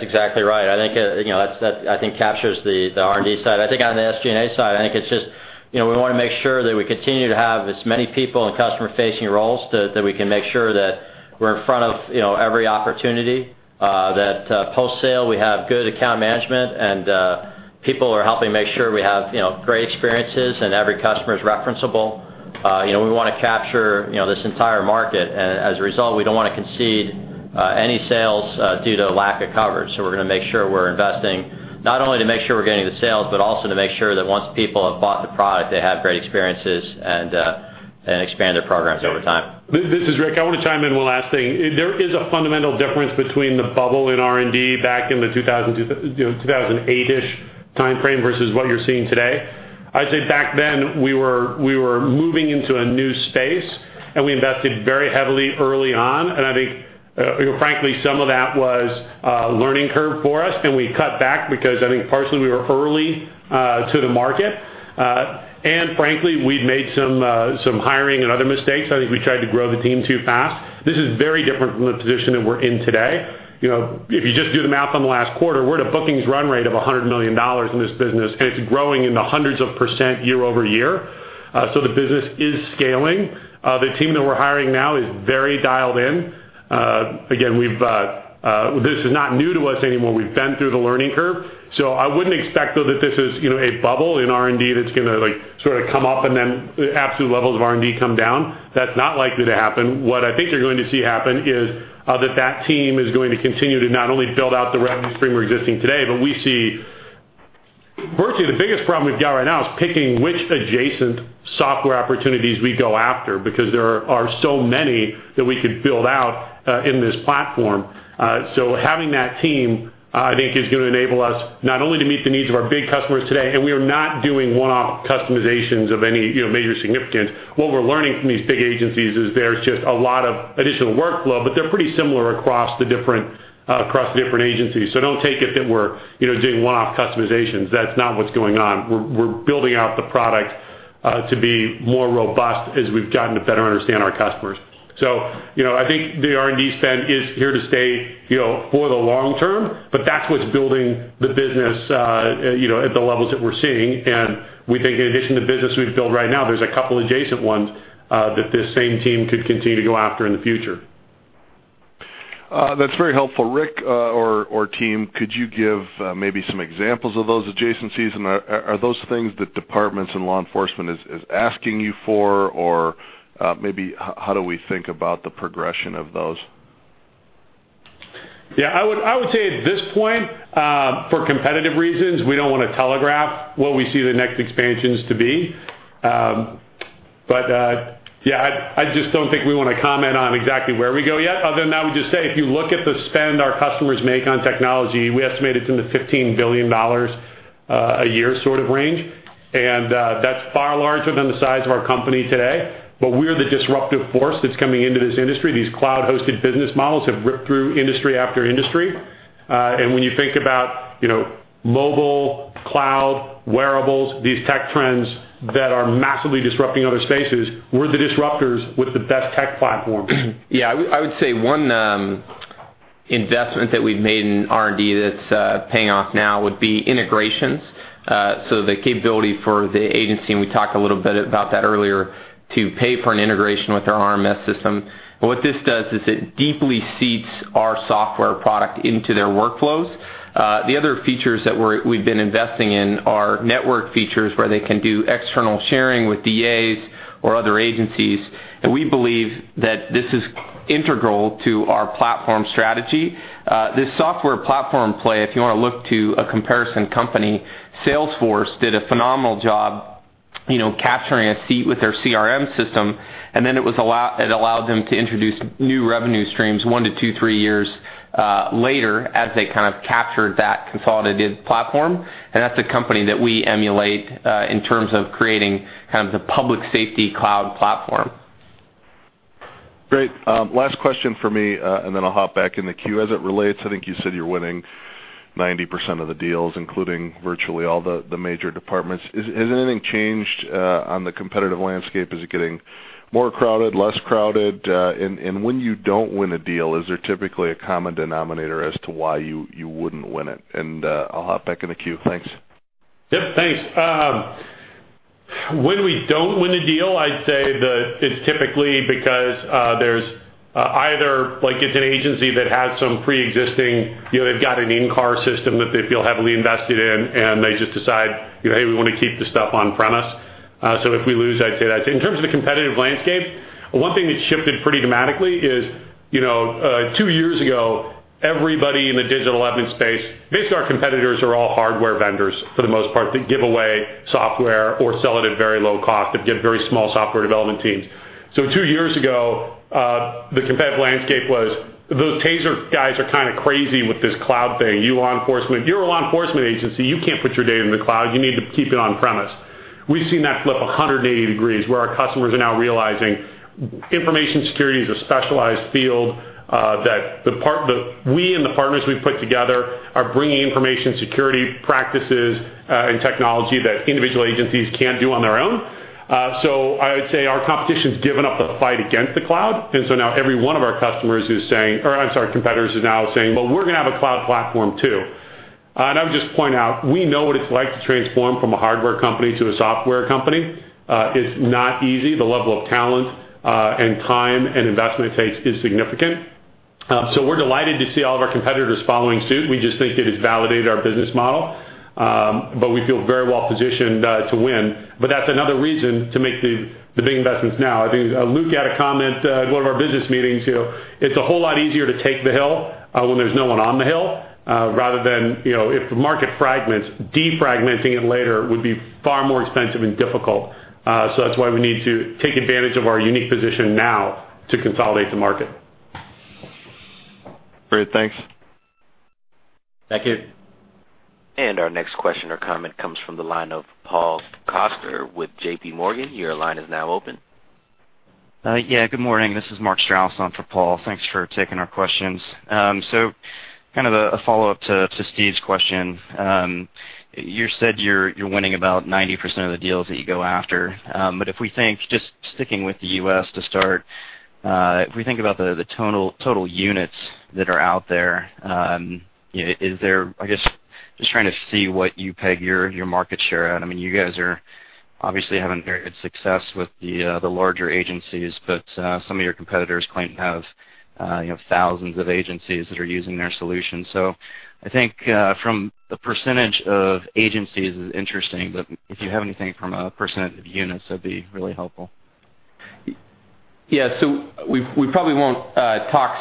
S3: exactly right. I think that captures the R&D side. On the SG&A side, I think it's just we want to make sure that we continue to have as many people in customer-facing roles, that we can make sure that we're in front of every opportunity. That post-sale, we have good account management, and people are helping make sure we have great experiences, and every customer's referenceable. We want to capture this entire market. We don't want to concede any sales due to lack of coverage. We're going to make sure we're investing, not only to make sure we're getting the sales, but also to make sure that once people have bought the product, they have great experiences and expand their programs over time.
S2: This is Rick. I want to chime in one last thing. There is a fundamental difference between the bubble in R&D back in the 2008-ish timeframe versus what you're seeing today. I'd say back then, we were moving into a new space, we invested very heavily early on. I think, frankly, some of that was a learning curve for us, I cut back because I think partially we were early to the market. Frankly, we've made some hiring and other mistakes. I think we tried to grow the team too fast. This is very different from the position that we're in today. If you just do the math on the last quarter, we're at a bookings run rate of $100 million in this business, it's growing in the hundreds of % year-over-year. The business is scaling. The team that we're hiring now is very dialed in. Again, this is not new to us anymore. We've been through the learning curve. I wouldn't expect, though, that this is a bubble in R&D that's going to sort of come up and then absolute levels of R&D come down. That's not likely to happen. What I think you're going to see happen is that that team is going to continue to not only build out the revenue stream we're existing today, but virtually, the biggest problem we've got right now is picking which adjacent software opportunities we go after, because there are so many that we could build out in this platform. Having that team, I think, is going to enable us not only to meet the needs of our big customers today, we are not doing one-off customizations of any major significance. What we're learning from these big agencies is there's just a lot of additional workflow, they're pretty similar across the different agencies. Don't take it that we're doing one-off customizations. That's not what's going on. We're building out the product to be more robust as we've gotten to better understand our customers. I think the R&D spend is here to stay for the long term, but that's what's building the business at the levels that we're seeing. We think in addition to business we've built right now, there's a couple of adjacent ones that this same team could continue to go after in the future.
S5: That's very helpful. Rick or team, could you give maybe some examples of those adjacencies, are those things that departments and law enforcement is asking you for? Maybe how do we think about the progression of those?
S2: I would say at this point, for competitive reasons, we don't want to telegraph what we see the next expansions to be. I just don't think we want to comment on exactly where we go yet, other than I would just say, if you look at the spend our customers make on technology, we estimate it's in the $15 billion a year sort of range. That's far larger than the size of our company today. We're the disruptive force that's coming into this industry. These cloud-hosted business models have ripped through industry after industry. When you think about mobile, cloud, wearables, these tech trends that are massively disrupting other spaces, we're the disruptors with the best tech platform.
S4: I would say one investment that we've made in R&D that's paying off now would be integrations. The capability for the agency, and we talked a little bit about that earlier, to pay for an integration with their RMS system. What this does is it deeply seats our software product into their workflows. The other features that we've been investing in are network features where they can do external sharing with DAs or other agencies. We believe that this is integral to our platform strategy. This software platform play, if you want to look to a comparison company, Salesforce did a phenomenal job capturing a seat with their CRM system, then it allowed them to introduce new revenue streams 1-2, 3 years later as they kind of captured that consolidated platform. That's a company that we emulate in terms of creating kind of the public safety cloud platform.
S5: Great. Last question from me, I'll hop back in the queue. As it relates, I think you said you're winning 90% of the deals, including virtually all the major departments. Has anything changed on the competitive landscape? Is it getting more crowded, less crowded? When you don't win a deal, is there typically a common denominator as to why you wouldn't win it? I'll hop back in the queue. Thanks.
S2: Yep, thanks. When we don't win a deal, I'd say that it's typically because there's either it's an agency that has some preexisting, they've got an in-car system that they feel heavily invested in, and they just decide, "Hey, we want to keep this stuff on-premise." If we lose, I'd say that. In terms of the competitive landscape, one thing that's shifted pretty dramatically is, two years ago, everybody in the digital evidence space, basically our competitors are all hardware vendors for the most part, that give away software or sell it at very low cost but give very small software development teams. Two years ago, the competitive landscape was, "Those TASER guys are kind of crazy with this cloud thing. You're a law enforcement agency. You can't put your data in the cloud. You need to keep it on-premise." We've seen that flip 180 degrees, where our customers are now realizing information security is a specialized field, that we and the partners we've put together are bringing information security practices and technology that individual agencies can't do on their own. I would say our competition's given up the fight against the cloud, now every one of our competitors is now saying, "Well, we're going to have a cloud platform, too." I would just point out, we know what it's like to transform from a hardware company to a software company. It's not easy. The level of talent and time and investment it takes is significant. We're delighted to see all of our competitors following suit. We just think it has validated our business model. We feel very well-positioned to win. That's another reason to make the big investments now. I think Luke had a comment at one of our business meetings. It's a whole lot easier to take the hill when there's no one on the hill, rather than if the market fragments, defragmenting it later would be far more expensive and difficult. That's why we need to take advantage of our unique position now to consolidate the market.
S5: Great. Thanks.
S2: Thank you.
S1: Our next question or comment comes from the line of Paul Coster with JPMorgan. Your line is now open.
S6: Good morning. This is Mark Strauss on for Paul. Thanks for taking our questions. Kind of a follow-up to Steve's question. You said you're winning about 90% of the deals that you go after. If we think, just sticking with the U.S. to start, if we think about the total units that are out there, is there I guess, just trying to see what you peg your market share at. You guys are obviously having very good success with the larger agencies, but some of your competitors claim to have thousands of agencies that are using their solution. I think from the percentage of agencies is interesting, but if you have anything from a percentage of units, that would be really helpful.
S4: We probably won't talk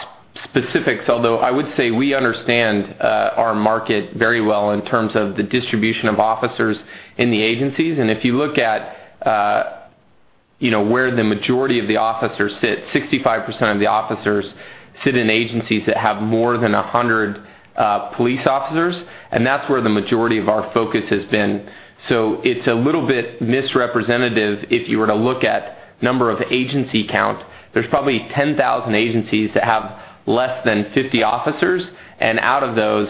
S4: specifics, although I would say we understand our market very well in terms of the distribution of officers in the agencies. If you look at where the majority of the officers sit, 65% of the officers sit in agencies that have more than 100 police officers, and that's where the majority of our focus has been. It's a little bit misrepresentative if you were to look at number of agency count. There's probably 10,000 agencies that have less than 50 officers, and out of those,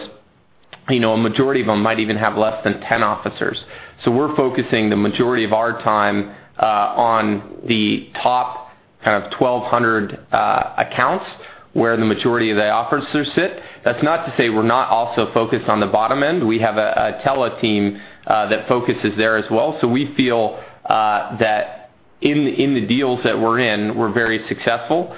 S4: a majority of them might even have less than 10 officers. We're focusing the majority of our time on the top kind of 1,200 accounts where the majority of the officers sit. That's not to say we're not also focused on the bottom end. We have a tele team that focuses there as well. We feel that in the deals that we're in, we're very successful.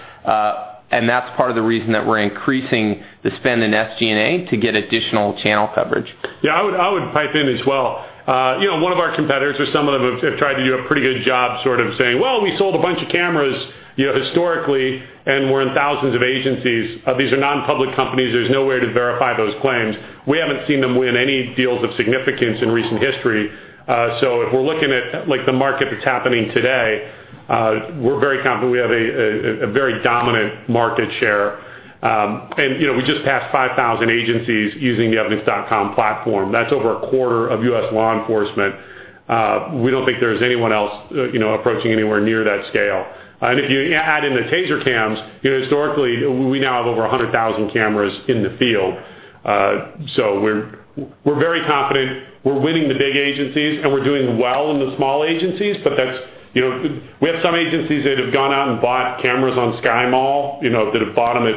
S4: That's part of the reason that we're increasing the spend in SG&A to get additional channel coverage.
S2: Yeah, I would pipe in as well. One of our competitors or some of them have tried to do a pretty good job sort of saying, "Well, we sold a bunch of cameras historically, and we're in thousands of agencies." These are non-public companies. There's no way to verify those claims. We haven't seen them win any deals of significance in recent history. If we're looking at the market that's happening today, we're very confident we have a very dominant market share. We just passed 5,000 agencies using the EVIDENCE.com platform. That's over a quarter of U.S. law enforcement. We don't think there's anyone else approaching anywhere near that scale. If you add in the TASER cams, historically, we now have over 100,000 cameras in the field. We're very confident. We're winning the big agencies, and we're doing well in the small agencies. We have some agencies that have gone out and bought cameras on SkyMall, that have bought them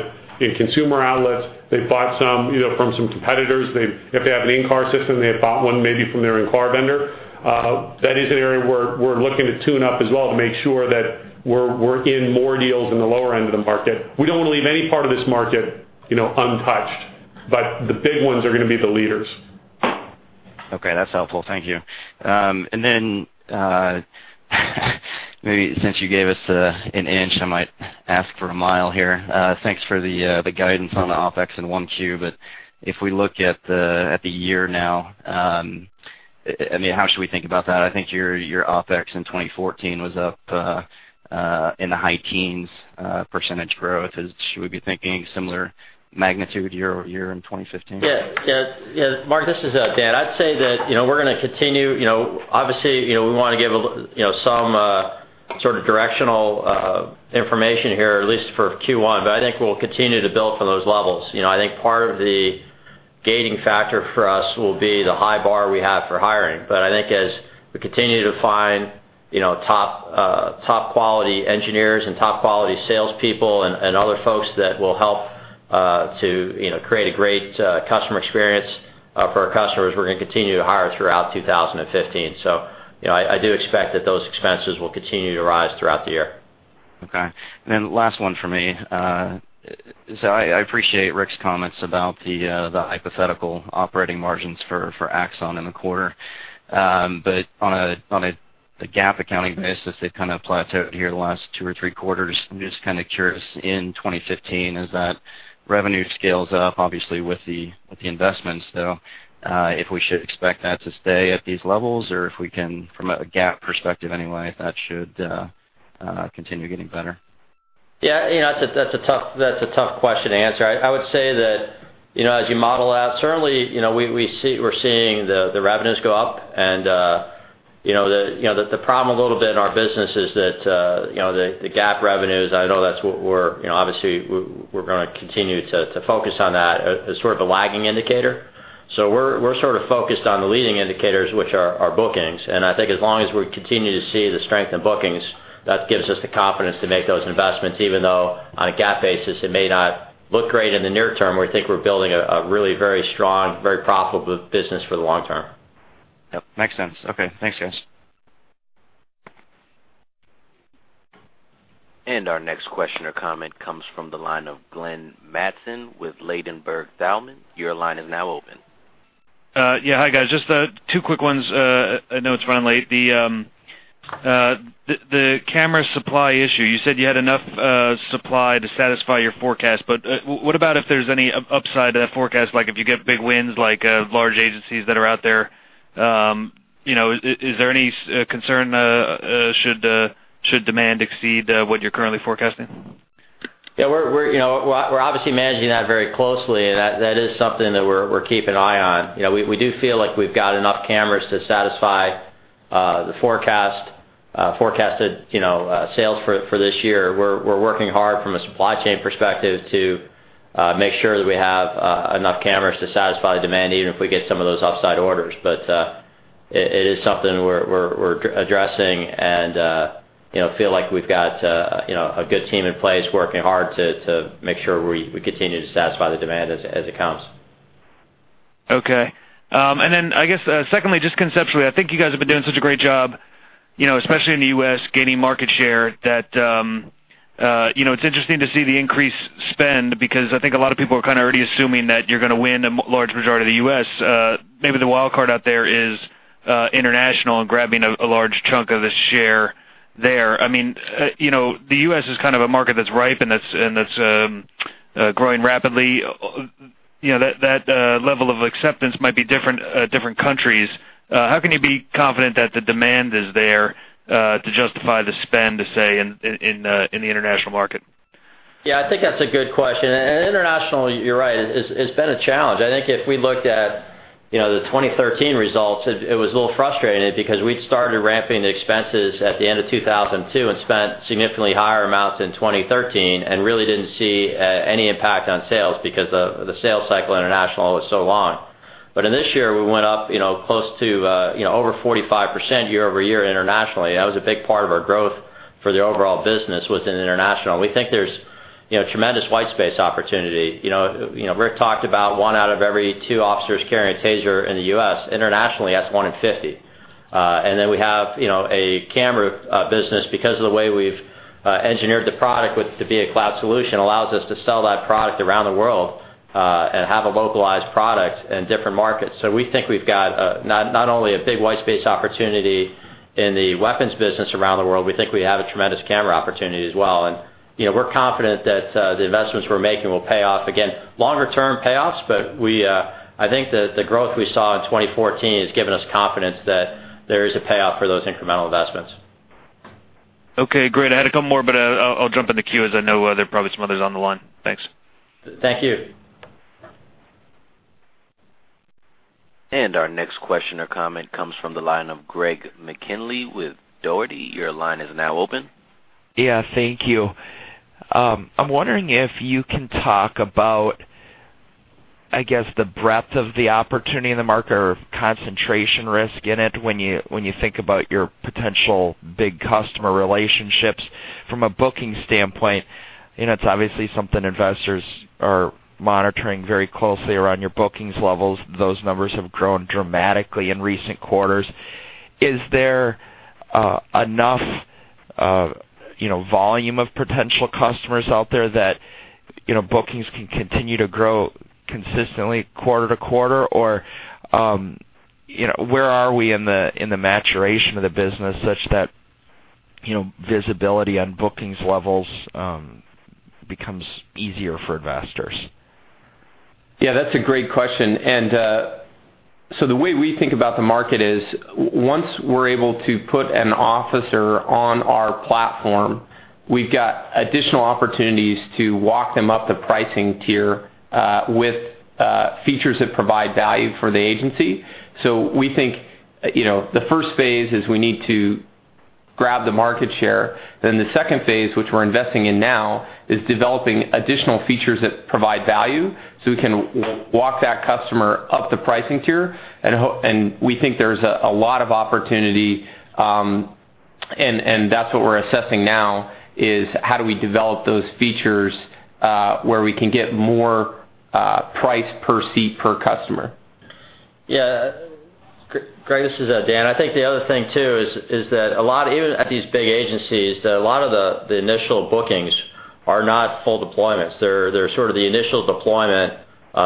S2: in consumer outlets. They've bought some from some competitors. If they have an in-car system, they have bought one maybe from their in-car vendor. That is an area we're looking to tune up as well to make sure that we're in more deals in the lower end of the market. We don't want to leave any part of this market untouched, but the big ones are going to be the leaders.
S6: Okay, that's helpful. Thank you. Maybe since you gave us an inch, I might ask for a mile here. Thanks for the guidance on the OpEx in 1 Q. If we look at the year now, how should we think about that? I think your OpEx in 2014 was up in the high teens % growth. Should we be thinking similar magnitude year-over-year in 2015?
S3: Mark, this is Dan. I'd say that we're going to continue. Obviously, we want to give some sort of directional information here, at least for Q1, but I think we'll continue to build from those levels. I think part of the gating factor for us will be the high bar we have for hiring. I think as we continue to find top quality engineers and top quality salespeople and other folks that will help to create a great customer experience for our customers, we're going to continue to hire throughout 2015. I do expect that those expenses will continue to rise throughout the year.
S6: Okay. Last one from me. I appreciate Rick's comments about the hypothetical operating margins for Axon in the quarter. On a GAAP accounting basis, they've kind of plateaued here the last two or three quarters. I'm just kind of curious, in 2015, as that revenue scales up, obviously, with the investments, though, if we should expect that to stay at these levels or if we can, from a GAAP perspective anyway, that should continue getting better.
S3: Yeah, that's a tough question to answer. I would say that as you model out, certainly, we're seeing the revenues go up, and the problem a little bit in our business is that the GAAP revenues, I know that's what we're obviously going to continue to focus on that as sort of a lagging indicator. We're sort of focused on the leading indicators, which are our bookings. I think as long as we continue to see the strength in bookings, that gives us the confidence to make those investments, even though on a GAAP basis, it may not look great in the near term, we think we're building a really very strong, very profitable business for the long term.
S6: Yep, makes sense. Okay, thanks, guys.
S1: Our next question or comment comes from the line of Glenn Mattson with Ladenburg Thalmann. Your line is now open.
S7: Yeah. Hi, guys. Just two quick ones. I know it's run late. The camera supply issue, you said you had enough supply to satisfy your forecast, but what about if there's any upside to that forecast, like if you get big wins, like large agencies that are out there, is there any concern should demand exceed what you're currently forecasting?
S3: Yeah, we're obviously managing that very closely, and that is something that we're keeping an eye on. We do feel like we've got enough cameras to satisfy the forecasted sales for this year. We're working hard from a supply chain perspective to make sure that we have enough cameras to satisfy demand, even if we get some of those upside orders. It is something we're addressing and feel like we've got a good team in place working hard to make sure we continue to satisfy the demand as it comes.
S7: Okay. I guess secondly, just conceptually, I think you guys have been doing such a great job, especially in the U.S., gaining market share that it's interesting to see the increased spend because I think a lot of people are kind of already assuming that you're going to win a large majority of the U.S. Maybe the wild card out there is international and grabbing a large chunk of the share there. The U.S. is kind of a market that's ripe and that's growing rapidly. That level of acceptance might be different countries. How can you be confident that the demand is there to justify the spend, to say, in the international market?
S3: Yeah, I think that's a good question. International, you're right, it's been a challenge. I think if we looked at the 2013 results, it was a little frustrating because we'd started ramping the expenses at the end of 2012 and spent significantly higher amounts in 2013 and really didn't see any impact on sales because the sales cycle international was so long. In this year, we went up close to over 45% year-over-year internationally. That was a big part of our growth for the overall business within international. We think there's tremendous white space opportunity. Rick talked about one out of every two officers carrying a TASER in the U.S. Internationally, that's one in 50. We have a camera business because of the way we've engineered the product to be a cloud solution allows us to sell that product around the world and have a localized product in different markets. We think we've got not only a big white space opportunity in the weapons business around the world, we think we have a tremendous camera opportunity as well. We're confident that the investments we're making will pay off again, longer-term payoffs, but I think the growth we saw in 2014 has given us confidence that there is a payoff for those incremental investments.
S7: Okay, great. I had a couple more, but I'll jump in the queue as I know there are probably some others on the line. Thanks.
S3: Thank you.
S1: Our next question or comment comes from the line of Greg McKinley with Dougherty. Your line is now open.
S8: Yeah, thank you. I'm wondering if you can talk about, I guess, the breadth of the opportunity in the market or concentration risk in it when you think about your potential big customer relationships from a bookings standpoint. It's obviously something investors are monitoring very closely around your bookings levels. Those numbers have grown dramatically in recent quarters. Is there enough volume of potential customers out there that Bookings can continue to grow consistently quarter-to-quarter? Where are we in the maturation of the business such that visibility on bookings levels becomes easier for investors?
S4: Yeah, that's a great question. The way we think about the market is, once we're able to put an officer on our platform, we've got additional opportunities to walk them up the pricing tier, with features that provide value for the agency. We think, the first phase is we need to grab the market share. The second phase, which we're investing in now, is developing additional features that provide value, so we can walk that customer up the pricing tier. We think there's a lot of opportunity, and that's what we're assessing now, is how do we develop those features, where we can get more, price per seat per customer.
S3: Yeah. Greg, this is Dan. I think the other thing too is that a lot, even at these big agencies, that a lot of the initial bookings are not full deployments. They're sort of the initial deployment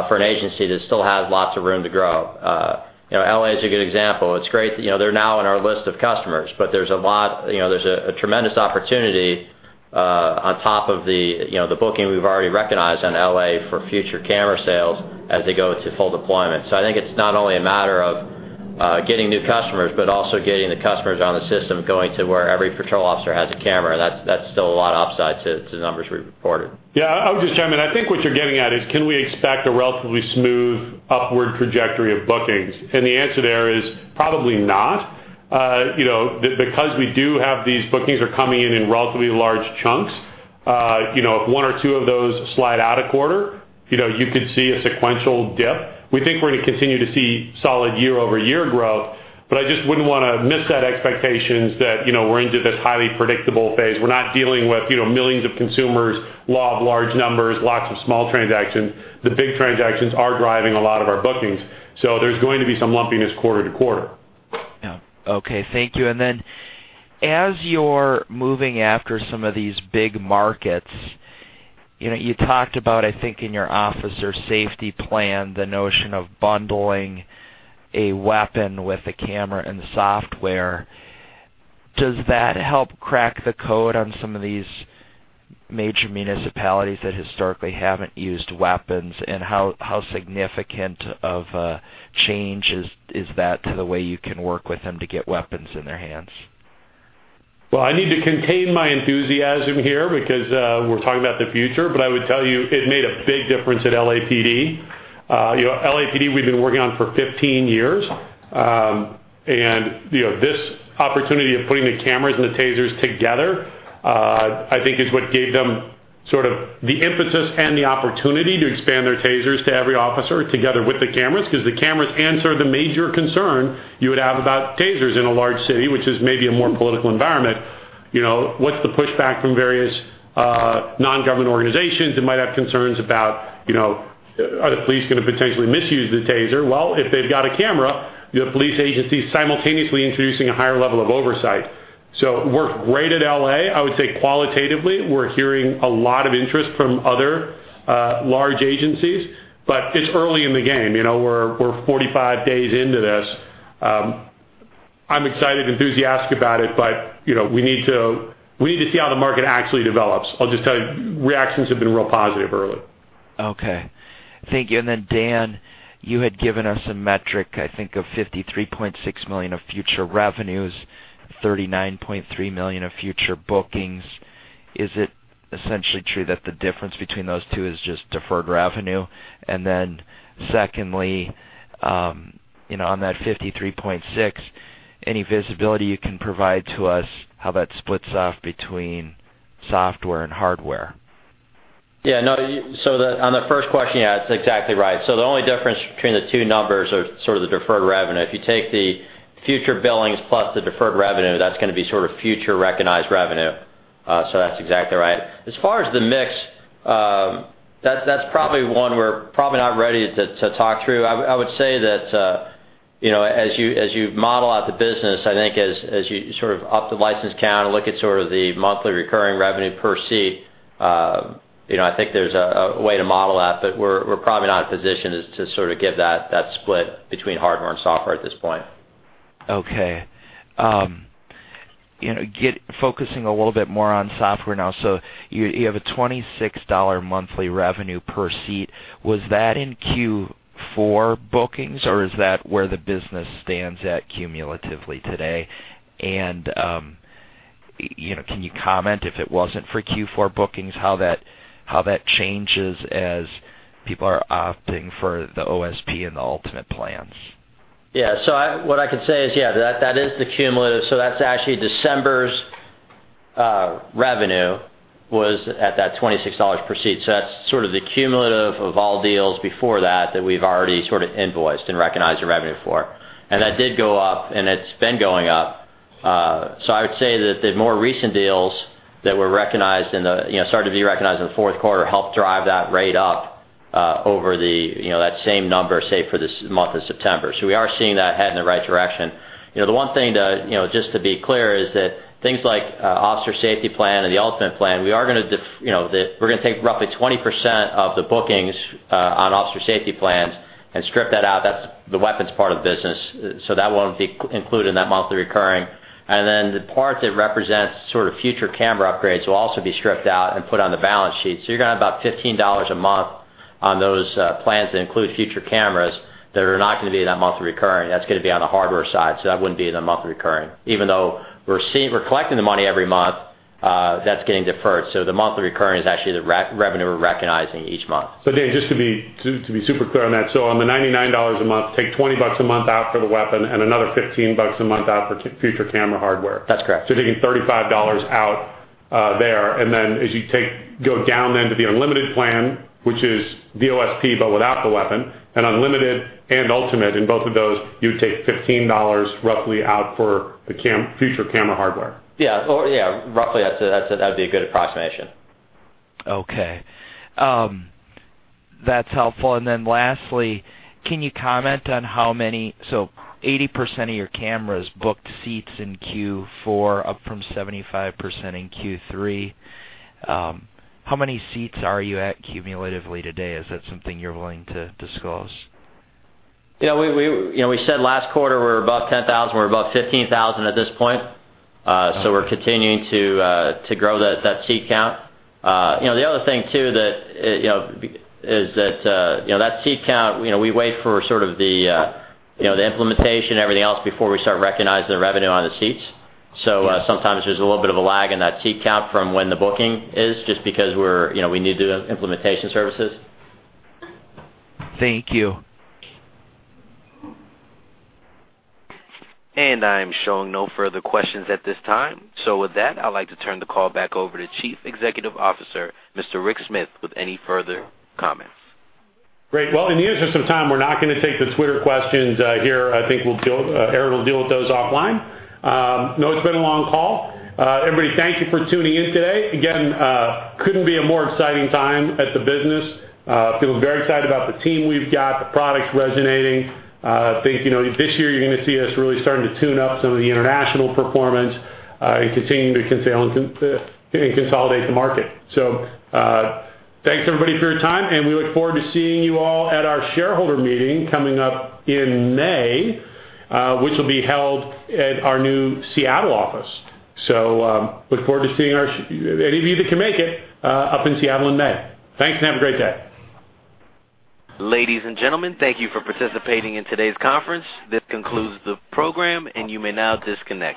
S3: for an agency that still has lots of room to grow. L.A. is a good example. It's great, they're now on our list of customers, but there's a tremendous opportunity on top of the booking we've already recognized on L.A. for future camera sales as they go to full deployment. I think it's not only a matter of getting new customers, but also getting the customers on the system going to where every patrol officer has a camera. That's still a lot of upside to the numbers we've reported.
S2: Yeah, I would just chime in. I think what you're getting at is can we expect a relatively smooth upward trajectory of bookings? The answer there is probably not. We do have these bookings are coming in relatively large chunks. If one or two of those slide out a quarter, you could see a sequential dip. We think we're going to continue to see solid year-over-year growth, but I just wouldn't want to miss that expectations that we're into this highly predictable phase. We're not dealing with millions of consumers, law of large numbers, lots of small transactions. The big transactions are driving a lot of our bookings, there's going to be some lumpiness quarter-to-quarter.
S8: Yeah. Okay, thank you. As you're moving after some of these big markets, you talked about, I think in your Officer Safety Plan, the notion of bundling a weapon with a camera and software. Does that help crack the code on some of these major municipalities that historically haven't used weapons? How significant of a change is that to the way you can work with them to get weapons in their hands?
S2: Well, I need to contain my enthusiasm here because we're talking about the future. I would tell you it made a big difference at LAPD. LAPD, we've been working on for 15 years. This opportunity of putting the cameras and the TASERs together, I think is what gave them sort of the emphasis and the opportunity to expand their TASERs to every officer together with the cameras, because the cameras answer the major concern you would have about TASERs in a large city, which is maybe a more political environment. What's the pushback from various non-government organizations that might have concerns about, are the police going to potentially misuse the TASER? Well, if they've got a camera, you have police agencies simultaneously introducing a higher level of oversight. It worked great at L.A. I would say qualitatively, we're hearing a lot of interest from other large agencies, It's early in the game. We're 45 days into this. I'm excited, enthusiastic about it, We need to see how the market actually develops. I'll just tell you, reactions have been real positive early.
S8: Okay. Thank you. Dan Behrendt, you had given us a metric, I think of $53.6 million of future revenues, $39.3 million of future bookings. Is it essentially true that the difference between those two is just deferred revenue? Secondly, on that $53.6 million, any visibility you can provide to us how that splits off between software and hardware?
S3: On the first question, yeah, it's exactly right. The only difference between the two numbers are sort of the deferred revenue. If you take the future billings plus the deferred revenue, that's going to be sort of future recognized revenue. That's exactly right. As far as the mix, that's probably one we're probably not ready to talk through. I would say that as you model out the business, I think as you sort of up the license count and look at sort of the monthly recurring revenue per seat, I think there's a way to model that, We're probably not in a position to sort of give that split between hardware and software at this point.
S8: Okay. Focusing a little bit more on software now. You have a $26 monthly revenue per seat. Was that in Q4 bookings, or is that where the business stands at cumulatively today? Can you comment, if it wasn't for Q4 bookings, how that changes as people are opting for the OSP and the Unlimited Plans?
S3: What I can say is, that is the cumulative. That's actually December's revenue was at that $26 per seat. That's the cumulative of all deals before that we've already invoiced and recognized the revenue for. That did go up, and it's been going up. I would say that the more recent deals that were started to be recognized in the fourth quarter helped drive that rate up. Over that same number, say for this month of September. We are seeing that head in the right direction. The one thing, just to be clear, is that things like Officer Safety Plan and the Unlimited Plan, we're going to take roughly 20% of the bookings on Officer Safety Plans and strip that out. That's the weapons part of the business. That won't be included in that monthly recurring. The part that represents future camera upgrades will also be stripped out and put on the balance sheet. You're going to have about $15 a month on those plans that include future cameras that are not going to be in that monthly recurring. That's going to be on the hardware side. That wouldn't be in the monthly recurring. Even though we're collecting the money every month, that's getting deferred. The monthly recurring is actually the revenue we're recognizing each month.
S2: Dan, just to be super clear on that. On the $99 a month, take 20 bucks a month out for the weapon and another 15 bucks a month out for future camera hardware.
S3: That's correct.
S2: Taking $35 out there, and then as you go down then to the Unlimited Plan, which is OSP, but without the weapon, and Unlimited and Ultimate, in both of those, you would take $15 roughly out for the future camera hardware.
S3: Yeah. Roughly, that would be a good approximation.
S8: Okay. That is helpful. Lastly, can you comment on how many 80% of your cameras booked seats in Q4, up from 75% in Q3. How many seats are you at cumulatively today? Is that something you are willing to disclose?
S3: We said last quarter we were above 10,000. We are above 15,000 at this point. We are continuing to grow that seat count. The other thing too is that seat count, we wait for the implementation and everything else before we start recognizing the revenue on the seats. Sometimes there is a little bit of a lag in that seat count from when the booking is, just because we need to do implementation services.
S8: Thank you.
S1: I am showing no further questions at this time. With that, I'd like to turn the call back over to Chief Executive Officer, Mr. Rick Smith, with any further comments.
S2: Great. Well, in the interest of time, we're not going to take the Twitter questions here. I think Aaron will deal with those offline. Know it's been a long call. Everybody, thank you for tuning in today. Again, couldn't be a more exciting time at the business. Feeling very excited about the team we've got, the product's resonating. I think this year you're going to see us really starting to tune up some of the international performance, and continuing to consolidate the market. Thanks everybody for your time, and we look forward to seeing you all at our shareholder meeting coming up in May, which will be held at our new Seattle office. Look forward to seeing any of you that can make it up in Seattle in May. Thanks, and have a great day.
S1: Ladies and gentlemen, thank you for participating in today's conference. This concludes the program, and you may now disconnect.